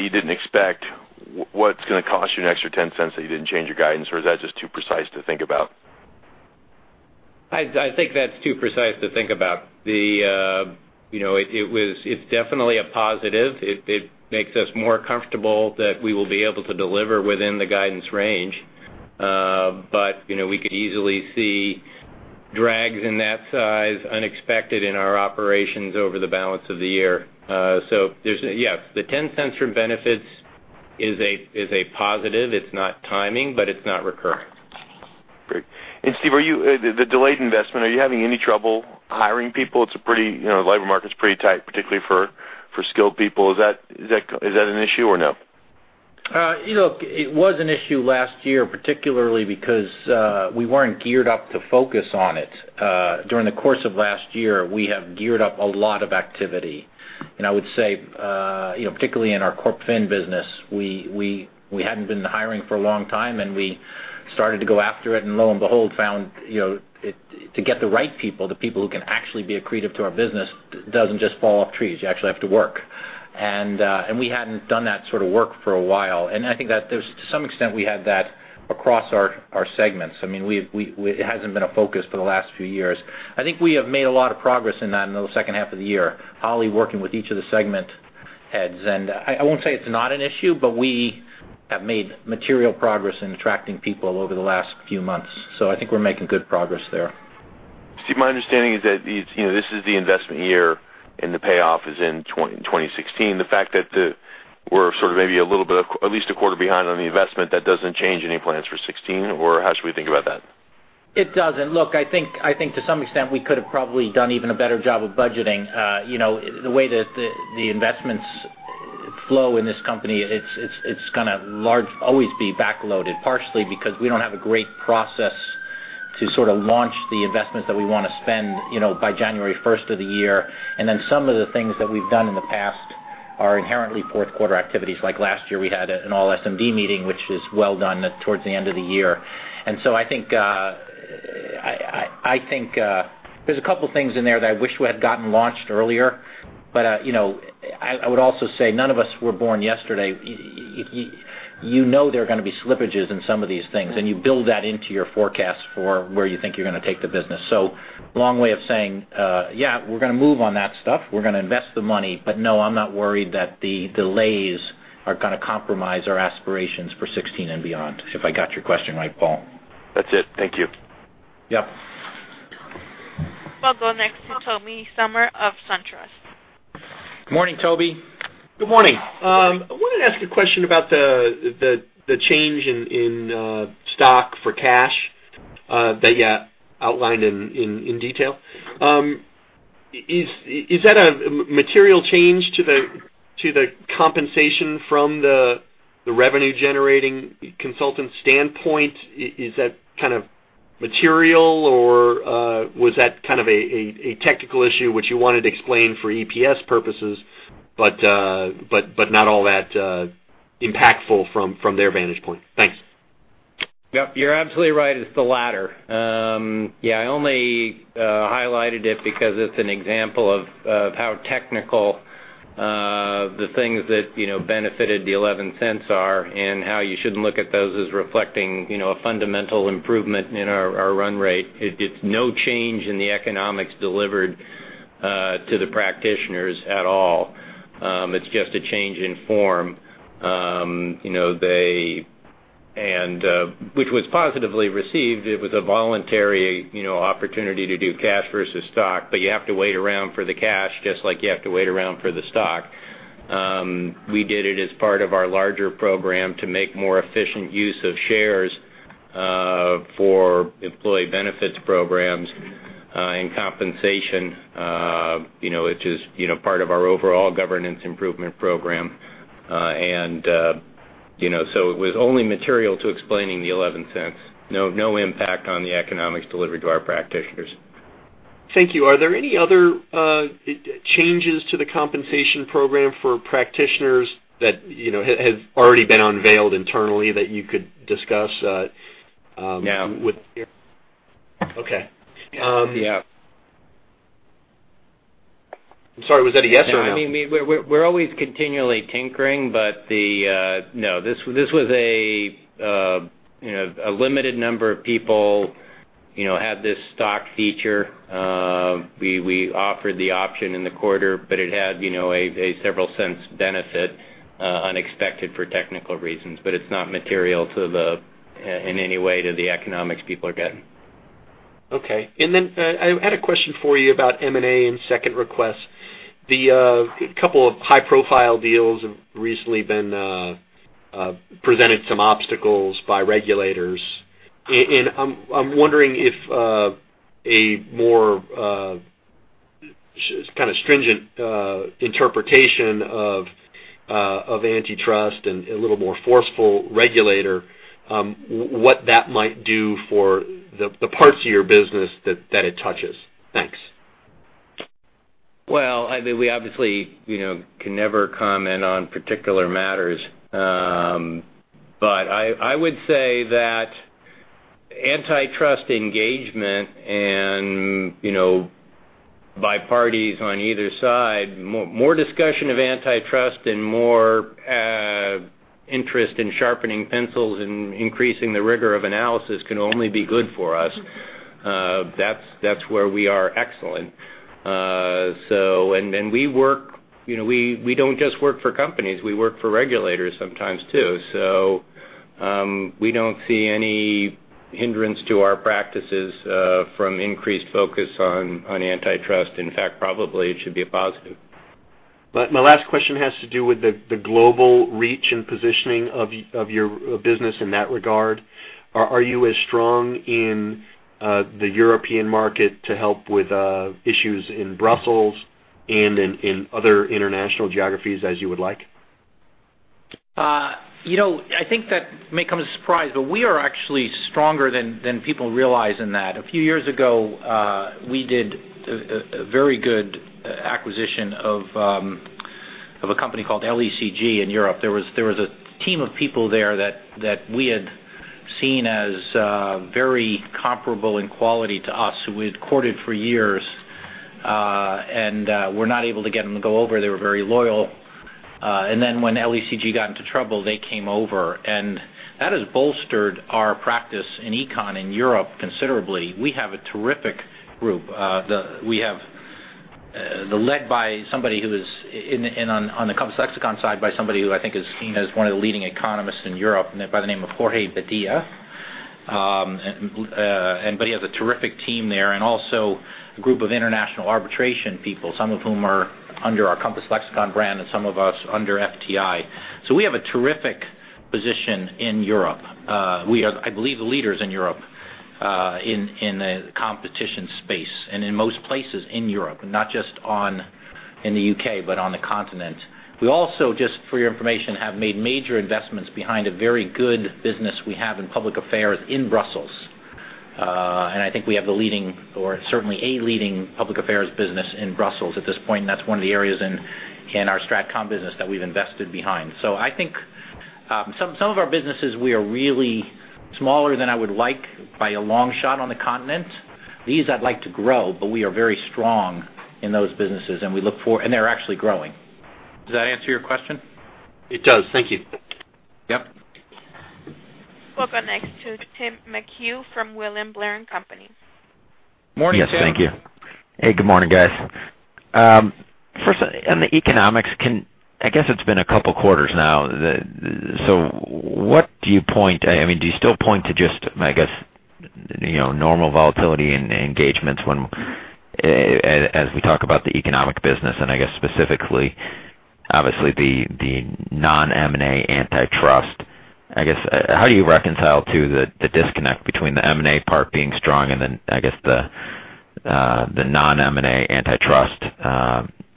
you didn't expect, what's going to cost you an extra $0.10 that you didn't change your guidance, is that just too precise to think about? I think that's too precise to think about. It's definitely a positive. It makes us more comfortable that we will be able to deliver within the guidance range. We could easily see drags in that size unexpected in our operations over the balance of the year. Yes, the $0.10 from benefits is a positive. It's not timing, but it's not recurring. Great. Steve, the delayed investment, are you having any trouble hiring people? Labor market's pretty tight, particularly for skilled people. Is that an issue, or no? Look, it was an issue last year, particularly because we weren't geared up to focus on it. During the course of last year, we have geared up a lot of activity. I would say, particularly in our corp fin business, we hadn't been hiring for a long time, and we started to go after it, and lo and behold, found to get the right people, the people who can actually be accretive to our business, doesn't just fall off trees. You actually have to work. We hadn't done that sort of work for a while. I think that to some extent, we had that across our segments. It hasn't been a focus for the last few years. I think we have made a lot of progress in that in the second half of the year, Holly working with each of the segment heads. I won't say it's not an issue, but we have made material progress in attracting people over the last few months. I think we're making good progress there. Steve, my understanding is that this is the investment year, and the payoff is in 2016. The fact that we're sort of maybe at least a quarter behind on the investment, that doesn't change any plans for 2016, or how should we think about that? It doesn't. Look, I think to some extent, we could have probably done even a better job of budgeting. The way that the investments flow in this company, it's going to always be backloaded, partially because we don't have a great process to sort of launch the investments that we want to spend by January 1st of the year. Some of the things that we've done in the past are inherently fourth quarter activities. Like last year, we had an all SMD meeting, which is well done towards the end of the year. I think there's a couple of things in there that I wish we had gotten launched earlier. I would also say none of us were born yesterday. You know there are going to be slippages in some of these things, and you build that into your forecast for where you think you're going to take the business. Long way of saying, yeah, we're going to move on that stuff. We're going to invest the money. No, I'm not worried that the delays are going to compromise our aspirations for 2016 and beyond, if I got your question right, Paul. That's it. Thank you. Yep. We'll go next to Tobey Sommer of SunTrust. Morning, Tobey. Good morning. I wanted to ask a question about the change in stock for cash that you outlined in detail. Is that a material change to the compensation from the revenue-generating consultant standpoint? Is that material, or was that a technical issue which you wanted to explain for EPS purposes, but not all that impactful from their vantage point? Thanks. Yep, you're absolutely right, it's the latter. Yeah, I only highlighted it because it's an example of how technical the things that benefited the $0.11 are and how you shouldn't look at those as reflecting a fundamental improvement in our run rate. It's no change in the economics delivered to the practitioners at all. It's just a change in form, which was positively received. It was a voluntary opportunity to do cash versus stock, but you have to wait around for the cash, just like you have to wait around for the stock. We did it as part of our larger program to make more efficient use of shares for employee benefits programs and compensation, which is part of our overall governance improvement program. It was only material to explaining the $0.11. No impact on the economics delivered to our practitioners. Thank you. Are there any other changes to the compensation program for practitioners that have already been unveiled internally that you could discuss? No with here? Okay. Yeah. I'm sorry, was that a yes or a no? No, we're always continually tinkering. No, this was a limited number of people had this stock feature. We offered the option in the quarter. It had a several cents benefit unexpected for technical reasons. It's not material in any way to the economics people are getting. Okay. I had a question for you about M&A and Second Requests. The couple of high-profile deals have recently been presented some obstacles by regulators. I'm wondering if a more stringent interpretation of antitrust and a little more forceful regulator, what that might do for the parts of your business that it touches. Thanks. We obviously can never comment on particular matters. I would say that antitrust engagement by parties on either side, more discussion of antitrust and more interest in sharpening pencils and increasing the rigor of analysis can only be good for us. That's where we are excellent. We don't just work for companies, we work for regulators sometimes, too. We don't see any hindrance to our practices from increased focus on antitrust. In fact, probably, it should be a positive. My last question has to do with the global reach and positioning of your business in that regard. Are you as strong in the European market to help with issues in Brussels and in other international geographies as you would like? I think that may come as a surprise, we are actually stronger than people realize in that. A few years ago, we did a very good acquisition of a company called LECG in Europe. There was a team of people there that we had seen as very comparable in quality to us, who we had courted for years, and were not able to get them to go over. They were very loyal. When LECG got into trouble, they came over, and that has bolstered our practice in econ in Europe considerably. We have a terrific group. Led on the Compass Lexecon side by somebody who I think is seen as one of the leading economists in Europe by the name of Jorge Padilla. He has a terrific team there and also a group of international arbitration people, some of whom are under our Compass Lexecon brand and some of us under FTI. We have a terrific position in Europe. We are, I believe, the leaders in Europe in the competition space and in most places in Europe, not just in the U.K., but on the continent. We also, just for your information, have made major investments behind a very good business we have in public affairs in Brussels. I think we have the leading, or certainly a leading, public affairs business in Brussels at this point, and that's one of the areas in our strat-com business that we've invested behind. Some of our businesses, we are really smaller than I would like by a long shot on the continent. These I'd like to grow, but we are very strong in those businesses and they're actually growing. Does that answer your question? It does. Thank you. Yep. We'll go next to Timothy McHugh from William Blair & Company. Morning, Tim. Yes, thank you. Hey, good morning, guys. First on the economics, it's been a couple quarters now. Do you still point to just normal volatility in engagements as we talk about the economic business and specifically, obviously the non-M&A antitrust? How do you reconcile too the disconnect between the M&A part being strong and the non-M&A antitrust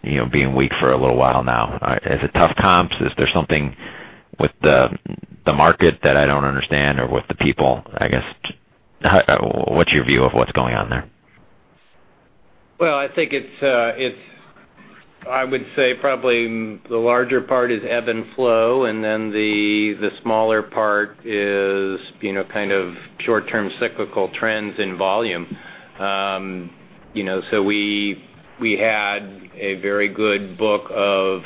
being weak for a little while now? Is it tough comps? Is there something with the market that I don't understand or with the people? What's your view of what's going on there? I think I would say probably the larger part is ebb and flow, and then the smaller part is kind of short-term cyclical trends in volume. We had a very good book of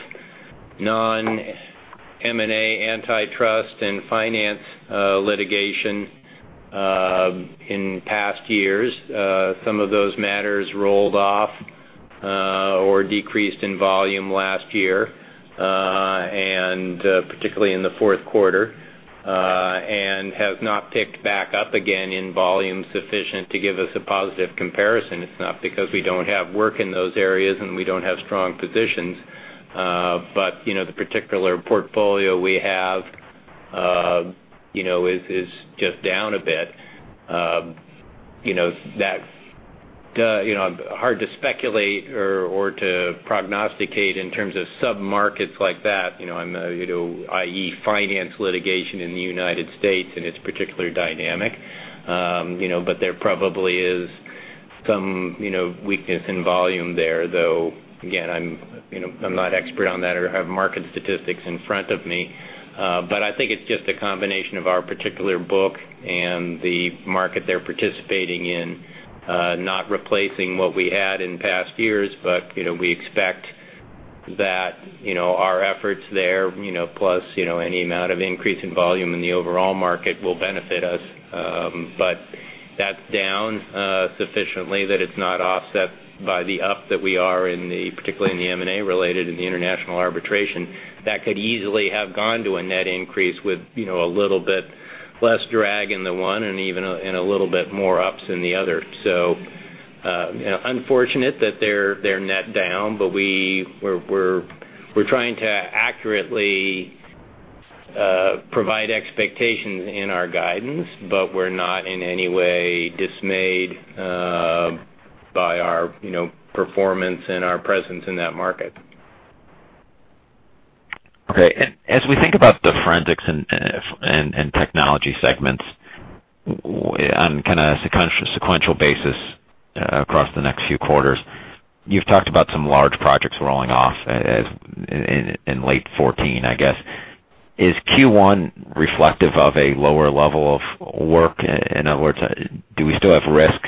non-M&A, antitrust, and finance litigation, in past years. Some of those matters rolled off, or decreased in volume last year, and particularly in the fourth quarter, and have not picked back up again in volume sufficient to give us a positive comparison. It's not because we don't have work in those areas and we don't have strong positions. The particular portfolio we have is just down a bit. Hard to speculate or to prognosticate in terms of sub-markets like that, i.e., finance litigation in the U.S. and its particular dynamic. There probably is some weakness in volume there, though, again, I'm not expert on that or have market statistics in front of me. I think it's just a combination of our particular book and the market they're participating in, not replacing what we had in past years. We expect that our efforts there, plus any amount of increase in volume in the overall market will benefit us. That's down sufficiently that it's not offset by the up that we are in the, particularly in the M&A related and the international arbitration. That could easily have gone to a net increase with a little bit less drag in the one and a little bit more ups in the other. Unfortunate that they're net down, but we're trying to accurately provide expectations in our guidance, but we're not in any way dismayed by our performance and our presence in that market. Okay. As we think about the forensics and technology segments on kind of a sequential basis across the next few quarters, you've talked about some large projects rolling off in late 2014, I guess. Is Q1 reflective of a lower level of work? In other words, do we still have risk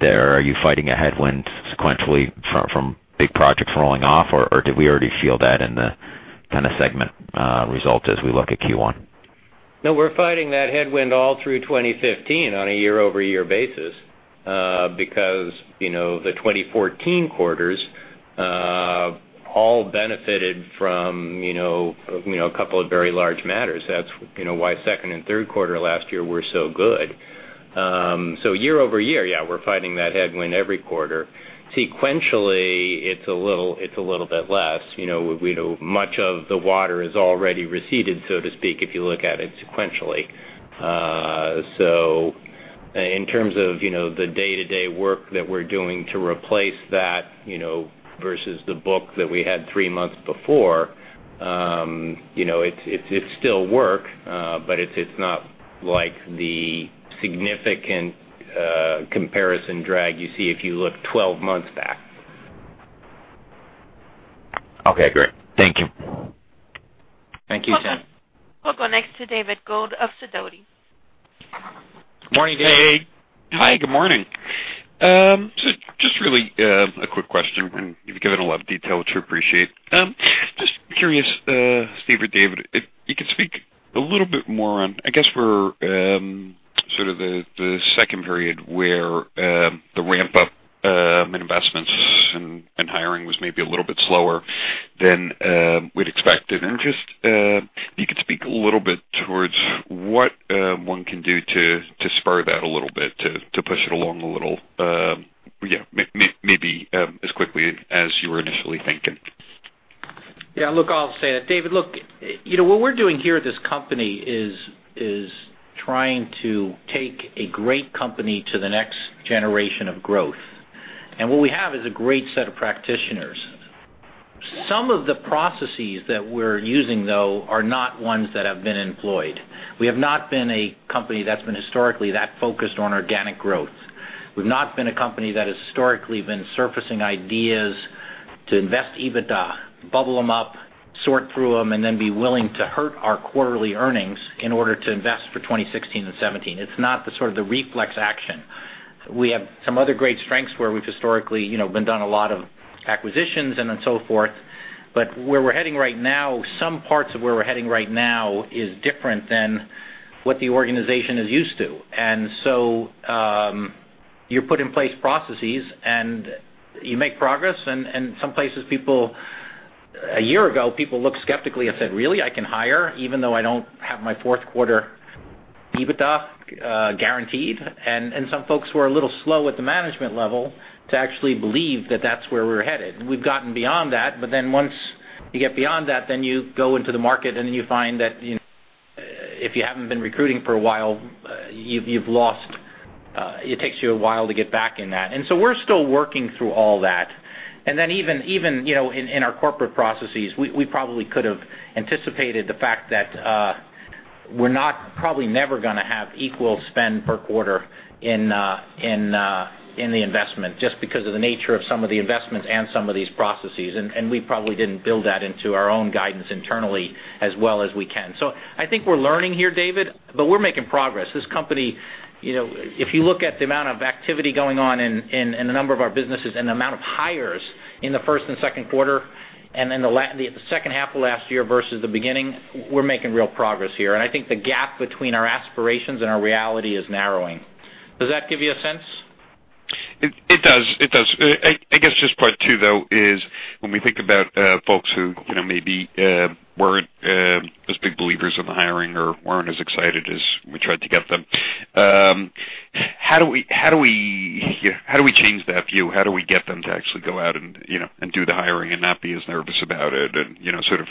there? Are you fighting a headwind sequentially from big projects rolling off, or did we already feel that in the kind of segment result as we look at Q1? No, we're fighting that headwind all through 2015 on a year-over-year basis. The 2014 quarters all benefited from a couple of very large matters. That's why second and third quarter last year were so good. Year-over-year, yeah, we're fighting that headwind every quarter. Sequentially, it's a little bit less. Much of the water has already receded, so to speak, if you look at it sequentially. In terms of the day-to-day work that we're doing to replace that versus the book that we had three months before, it's still work, but it's not like the significant comparison drag you see if you look 12 months back. Okay, great. Thank you. Thank you, Tim. We'll go next to David Gold of Sidoti. Morning, David. Hey. Hi, good morning. Just really a quick question, and you've given a lot of detail, which we appreciate. Just curious, Steve or David, if you could speak a little bit more on, I guess, for sort of the second period where the ramp-up in investments and hiring was maybe a little bit slower than we'd expected, and just if you could speak a little bit towards what one can do to spur that a little bit, to push it along a little, maybe as quickly as you were initially thinking. Yeah, look, I'll say that. David, look, what we're doing here at this company is trying to take a great company to the next generation of growth. What we have is a great set of practitioners. Some of the processes that we're using, though, are not ones that have been employed. We have not been a company that's been historically that focused on organic growth. We've not been a company that has historically been surfacing ideas to invest EBITDA, bubble them up, sort through them, and then be willing to hurt our quarterly earnings in order to invest for 2016 and 2017. It's not the sort of the reflex action. We have some other great strengths where we've historically done a lot of acquisitions and then so forth. Where we're heading right now, some parts of where we're heading right now is different than what the organization is used to. You put in place processes, and you make progress. Some places, a year ago, people looked skeptically and said, "Really? I can hire even though I don't have my fourth quarter EBITDA guaranteed?" Some folks were a little slow at the management level to actually believe that that's where we were headed. We've gotten beyond that, once you get beyond that, you go into the market, you find that if you haven't been recruiting for a while, it takes you a while to get back in that. We're still working through all that. Even in our corporate processes, we probably could have anticipated the fact that we're not probably never going to have equal spend per quarter in the investment, just because of the nature of some of the investments and some of these processes. We probably didn't build that into our own guidance internally as well as we can. I think we're learning here, David, but we're making progress. This company, if you look at the amount of activity going on in a number of our businesses and the amount of hires in the first and second quarter and then the second half of last year versus the beginning, we're making real progress here. I think the gap between our aspirations and our reality is narrowing. Does that give you a sense? It does. I guess just part two, though, is when we think about folks who maybe weren't as big believers in the hiring or weren't as excited as we tried to get them, how do we change that view? How do we get them to actually go out and do the hiring and not be as nervous about it and sort of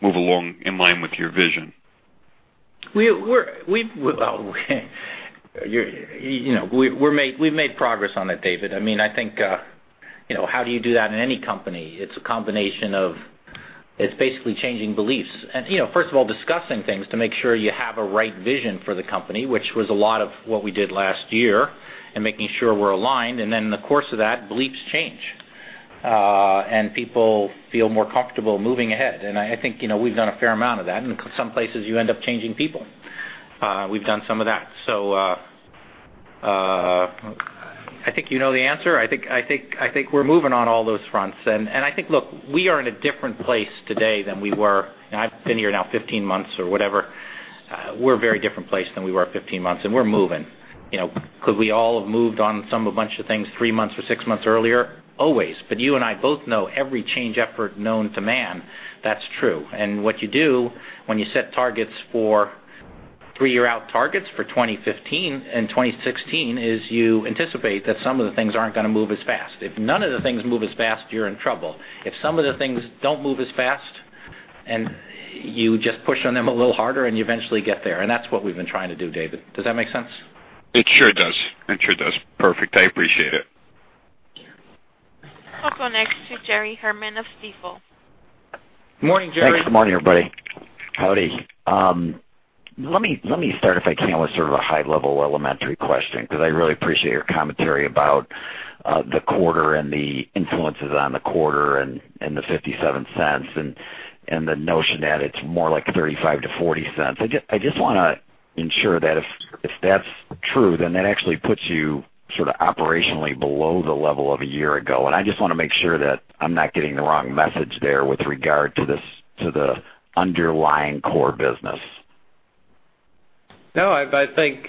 move along in line with your vision? We've made progress on it, David. I think, how do you do that in any company? It's a combination of basically changing beliefs. First of all, discussing things to make sure you have a right vision for the company, which was a lot of what we did last year, and making sure we're aligned. In the course of that, beliefs change, and people feel more comfortable moving ahead. I think we've done a fair amount of that. Some places, you end up changing people. We've done some of that. I think you know the answer. I think we're moving on all those fronts. I think, look, we are in a different place today than we were. I've been here now 15 months or whatever. We're in a very different place than we were 15 months, and we're moving. Could we all have moved on some a bunch of things three months or six months earlier? Always. You and I both know every change effort known to man, that's true. What you do when you set targets for three-year-out targets for 2015 and 2016 is you anticipate that some of the things aren't going to move as fast. If none of the things move as fast, you're in trouble. If some of the things don't move as fast, and you just push on them a little harder, and you eventually get there. That's what we've been trying to do, David. Does that make sense? It sure does. Perfect. I appreciate it. I'll go next to Jerry Herman of Stifel. Morning, Jerry. Thanks. Morning, everybody. Howdy. Let me start, if I can, with sort of a high-level elementary question, because I really appreciate your commentary about the quarter and the influences on the quarter and the $0.57 and the notion that it's more like $0.35-$0.40. I just want to ensure that if that's true, then that actually puts you sort of operationally below the level of a year ago, and I just want to make sure that I'm not getting the wrong message there with regard to the underlying core business. I think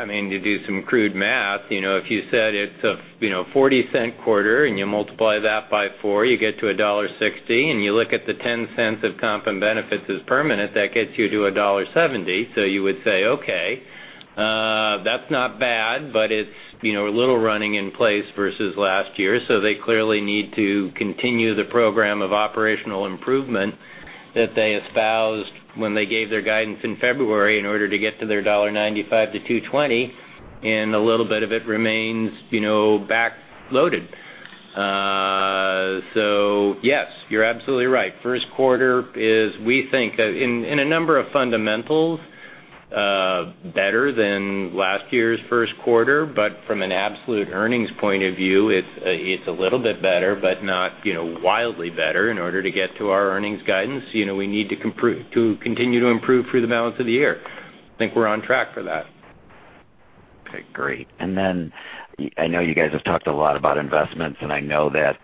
if you do some crude math, if you said it's a $0.40 quarter and you multiply that by 4, you get to $1.60, and you look at the $0.10 of comp and benefits as permanent, that gets you to $1.70. You would say, okay, that's not bad, but it's a little running in place versus last year, they clearly need to continue the program of operational improvement that they espoused when they gave their guidance in February in order to get to their $1.95-$2.20, and a little bit of it remains back-loaded. Yes, you're absolutely right. First quarter is, we think, in a number of fundamentals, better than last year's first quarter. From an absolute earnings point of view, it's a little bit better but not wildly better. In order to get to our earnings guidance, we need to continue to improve through the balance of the year. I think we're on track for that. Okay, great. I know you guys have talked a lot about investments, and I know that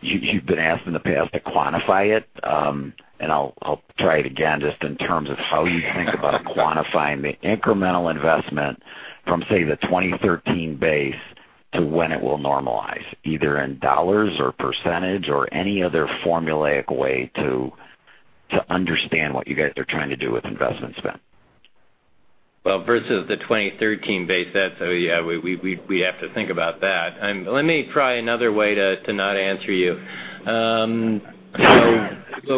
you've been asked in the past to quantify it, and I'll try it again just in terms of how you think about quantifying the incremental investment from, say, the 2013 base to when it will normalize, either in $ or % or any other formulaic way to understand what you guys are trying to do with investment spend. Well, versus the 2013 base, we have to think about that. Let me try another way to not answer you.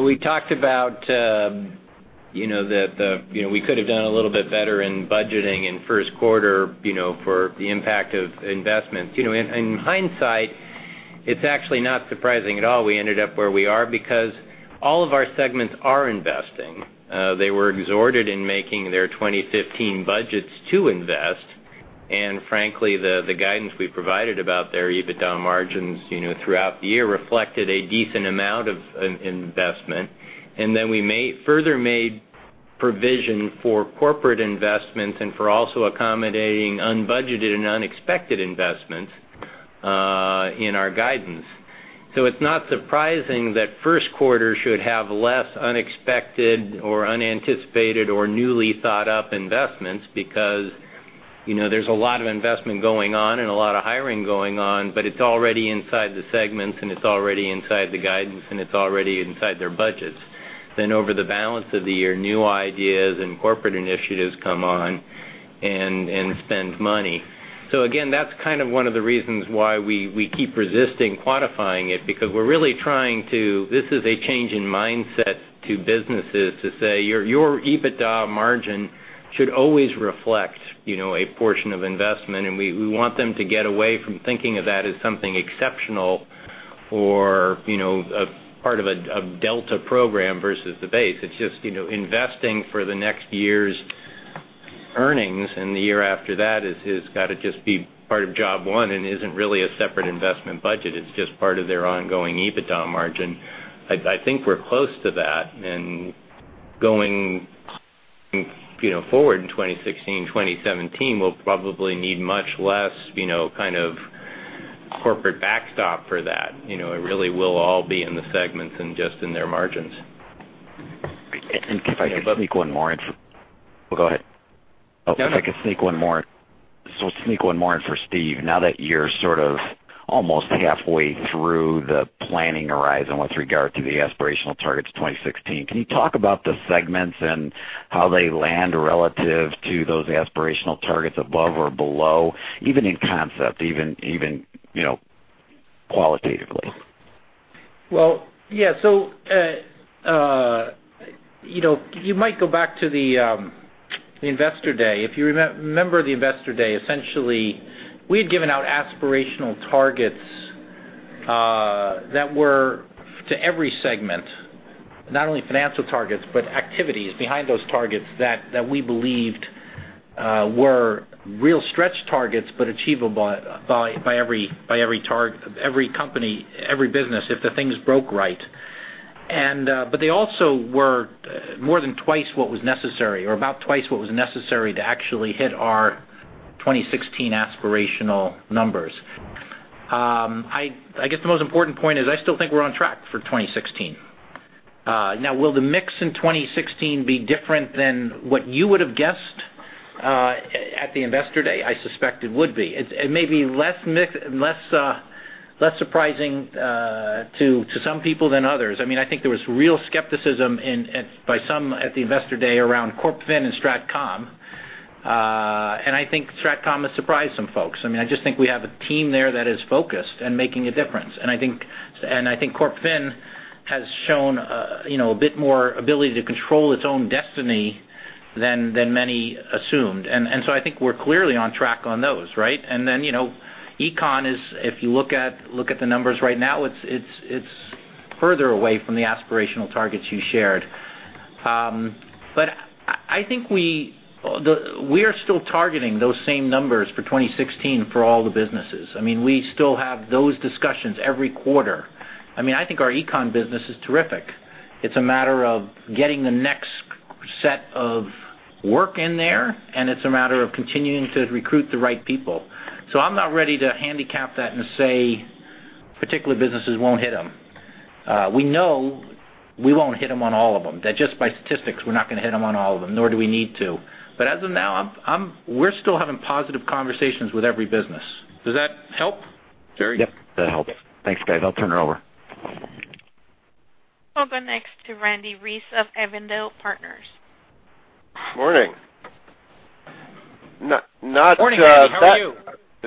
We talked about that we could have done a little bit better in budgeting in first quarter for the impact of investments. In hindsight. It's actually not surprising at all we ended up where we are because all of our segments are investing. They were exhorted in making their 2015 budgets to invest, and frankly, the guidance we provided about their EBITDA margins throughout the year reflected a decent amount of investment. We further made provision for corporate investments and for also accommodating unbudgeted and unexpected investments in our guidance. It's not surprising that first quarter should have less unexpected or unanticipated or newly thought-up investments, because there's a lot of investment going on and a lot of hiring going on, but it's already inside the segments, and it's already inside the guidance, and it's already inside their budgets. Over the balance of the year, new ideas and corporate initiatives come on and spend money. Again, that's kind of one of the reasons why we keep resisting quantifying it, because this is a change in mindset to businesses to say your EBITDA margin should always reflect a portion of investment, and we want them to get away from thinking of that as something exceptional or part of a delta program versus the base. It's just investing for the next year's earnings and the year after that has got to just be part of job one and isn't really a separate investment budget. It's just part of their ongoing EBITDA margin. I think we're close to that, and going forward in 2016, 2017, we'll probably need much less corporate backstop for that. It really will all be in the segments and just in their margins. If I could sneak one more in. Oh, go ahead. Yeah. If I could sneak one more in for Steve. Now that you're sort of almost halfway through the planning horizon with regard to the aspirational targets 2016, can you talk about the segments and how they land relative to those aspirational targets above or below, even in concept, even qualitatively? Yeah. You might go back to the Investor Day. If you remember the Investor Day, essentially, we had given out aspirational targets that were to every segment, not only financial targets, but activities behind those targets that we believed were real stretch targets, but achievable by every company, every business, if the things broke right. They also were more than twice what was necessary, or about twice what was necessary to actually hit our 2016 aspirational numbers. I guess the most important point is I still think we're on track for 2016. Will the mix in 2016 be different than what you would have guessed at the Investor Day? I suspect it would be. It may be less surprising to some people than others. I think there was real skepticism by some at the Investor Day around CorpFin and Strategic Communications. I think Strategic Communications has surprised some folks. I just think we have a team there that is focused and making a difference. I think CorpFin has shown a bit more ability to control its own destiny than many assumed. I think we're clearly on track on those, right? Then Econ is, if you look at the numbers right now, it's further away from the aspirational targets you shared. I think we are still targeting those same numbers for 2016 for all the businesses. We still have those discussions every quarter. I think our Econ business is terrific. It's a matter of getting the next set of work in there, and it's a matter of continuing to recruit the right people. I'm not ready to handicap that and say particular businesses won't hit them. We know we won't hit them on all of them, that just by statistics, we're not going to hit them on all of them, nor do we need to. As of now, we're still having positive conversations with every business. Does that help, Jerry? Yep, that helps. Thanks, guys. I'll turn it over. We'll go next to Randle Reece of Avondale Partners. Morning. Morning, Randy. How are you?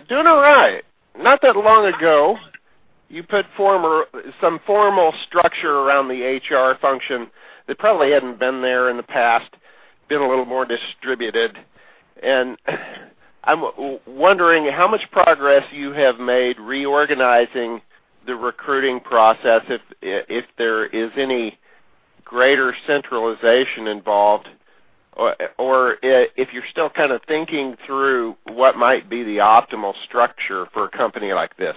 Doing all right. Not that long ago, you put some formal structure around the HR function that probably hadn't been there in the past, been a little more distributed. I'm wondering how much progress you have made reorganizing the recruiting process, if there is any greater centralization involved, or if you're still kind of thinking through what might be the optimal structure for a company like this.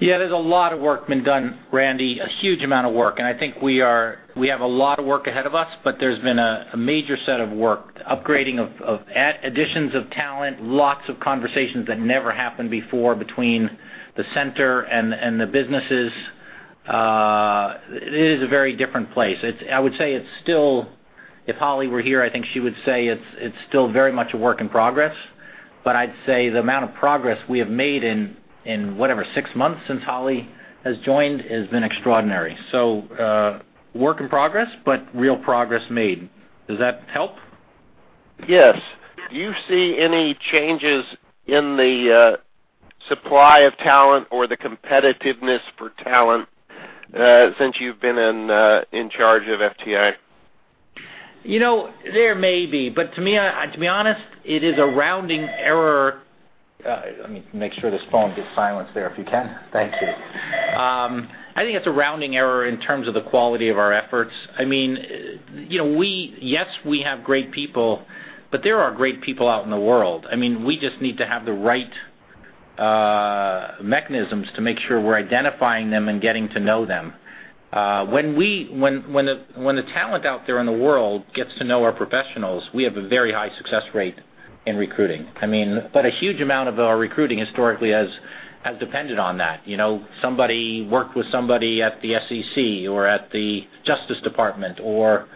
Yeah, there's a lot of work been done, Randy, a huge amount of work, and I think we have a lot of work ahead of us. There's been a major set of work, upgrading of additions of talent, lots of conversations that never happened before between the center and the businesses. It is a very different place. I would say it's still, if Holly were here, I think she would say it's still very much a work in progress. I'd say the amount of progress we have made in, whatever, six months since Holly has joined has been extraordinary. Work in progress, but real progress made. Does that help? Yes. Do you see any changes in the supply of talent or the competitiveness for talent since you've been in charge of FTI? There may be, to be honest, it is a rounding error. Let me make sure this phone gets silenced there if you can. Thank you. I think it's a rounding error in terms of the quality of our efforts. Yes, we have great people, there are great people out in the world. We just need to have the right mechanisms to make sure we're identifying them and getting to know them. When the talent out there in the world gets to know our professionals, we have a very high success rate in recruiting. A huge amount of our recruiting historically has depended on that. Somebody worked with somebody at the SEC or at the Justice Department, or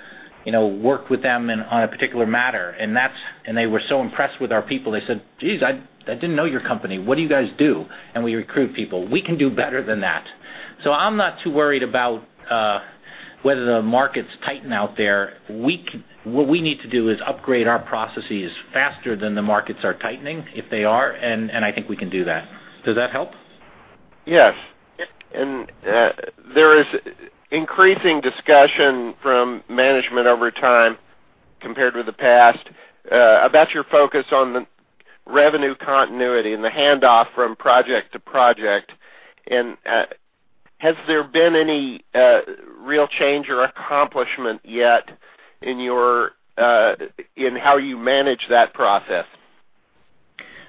worked with them on a particular matter, and they were so impressed with our people, they said, "Jeez, I didn't know your company. What do you guys do?" We recruit people. We can do better than that. I'm not too worried about whether the market's tighten out there. What we need to do is upgrade our processes faster than the markets are tightening, if they are, I think we can do that. Does that help? Yes. There is increasing discussion from management over time compared with the past about your focus on the revenue continuity and the handoff from project to project. Has there been any real change or accomplishment yet in how you manage that process?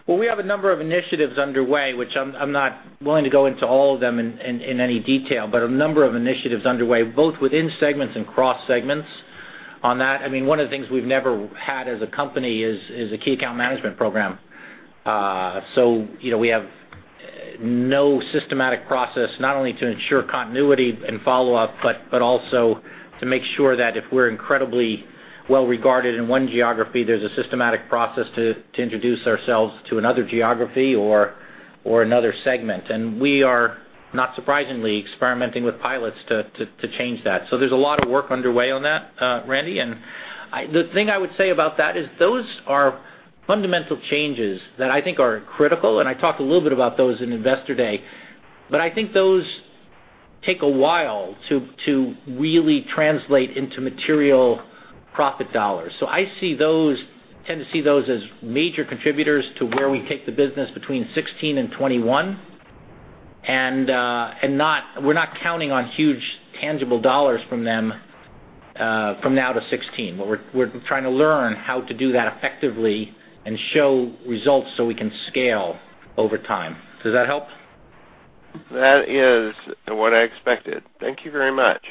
Well, we have a number of initiatives underway, which I'm not willing to go into all of them in any detail, but a number of initiatives underway, both within segments and cross-segments on that. One of the things we've never had as a company is a key account management program. We have no systematic process, not only to ensure continuity and follow-up, but also to make sure that if we're incredibly well-regarded in one geography, there's a systematic process to introduce ourselves to another geography or another segment. We are not surprisingly experimenting with pilots to change that. There's a lot of work underway on that, Randy. The thing I would say about that is those are fundamental changes that I think are critical, and I talked a little bit about those in Investor Day, but I think those take a while to really translate into material profit dollars. I tend to see those as major contributors to where we take the business between 2016 and 2021. We're not counting on huge tangible dollars from them from now to 2016, but we're trying to learn how to do that effectively and show results so we can scale over time. Does that help? That is what I expected. Thank you very much.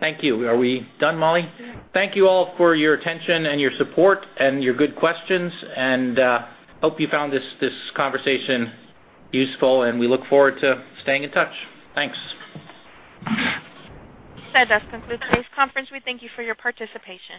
Thank you. Are we done, Mollie? Yeah. Thank you all for your attention and your support and your good questions, and hope you found this conversation useful, and we look forward to staying in touch. Thanks. That does conclude today's conference. We thank you for your participation.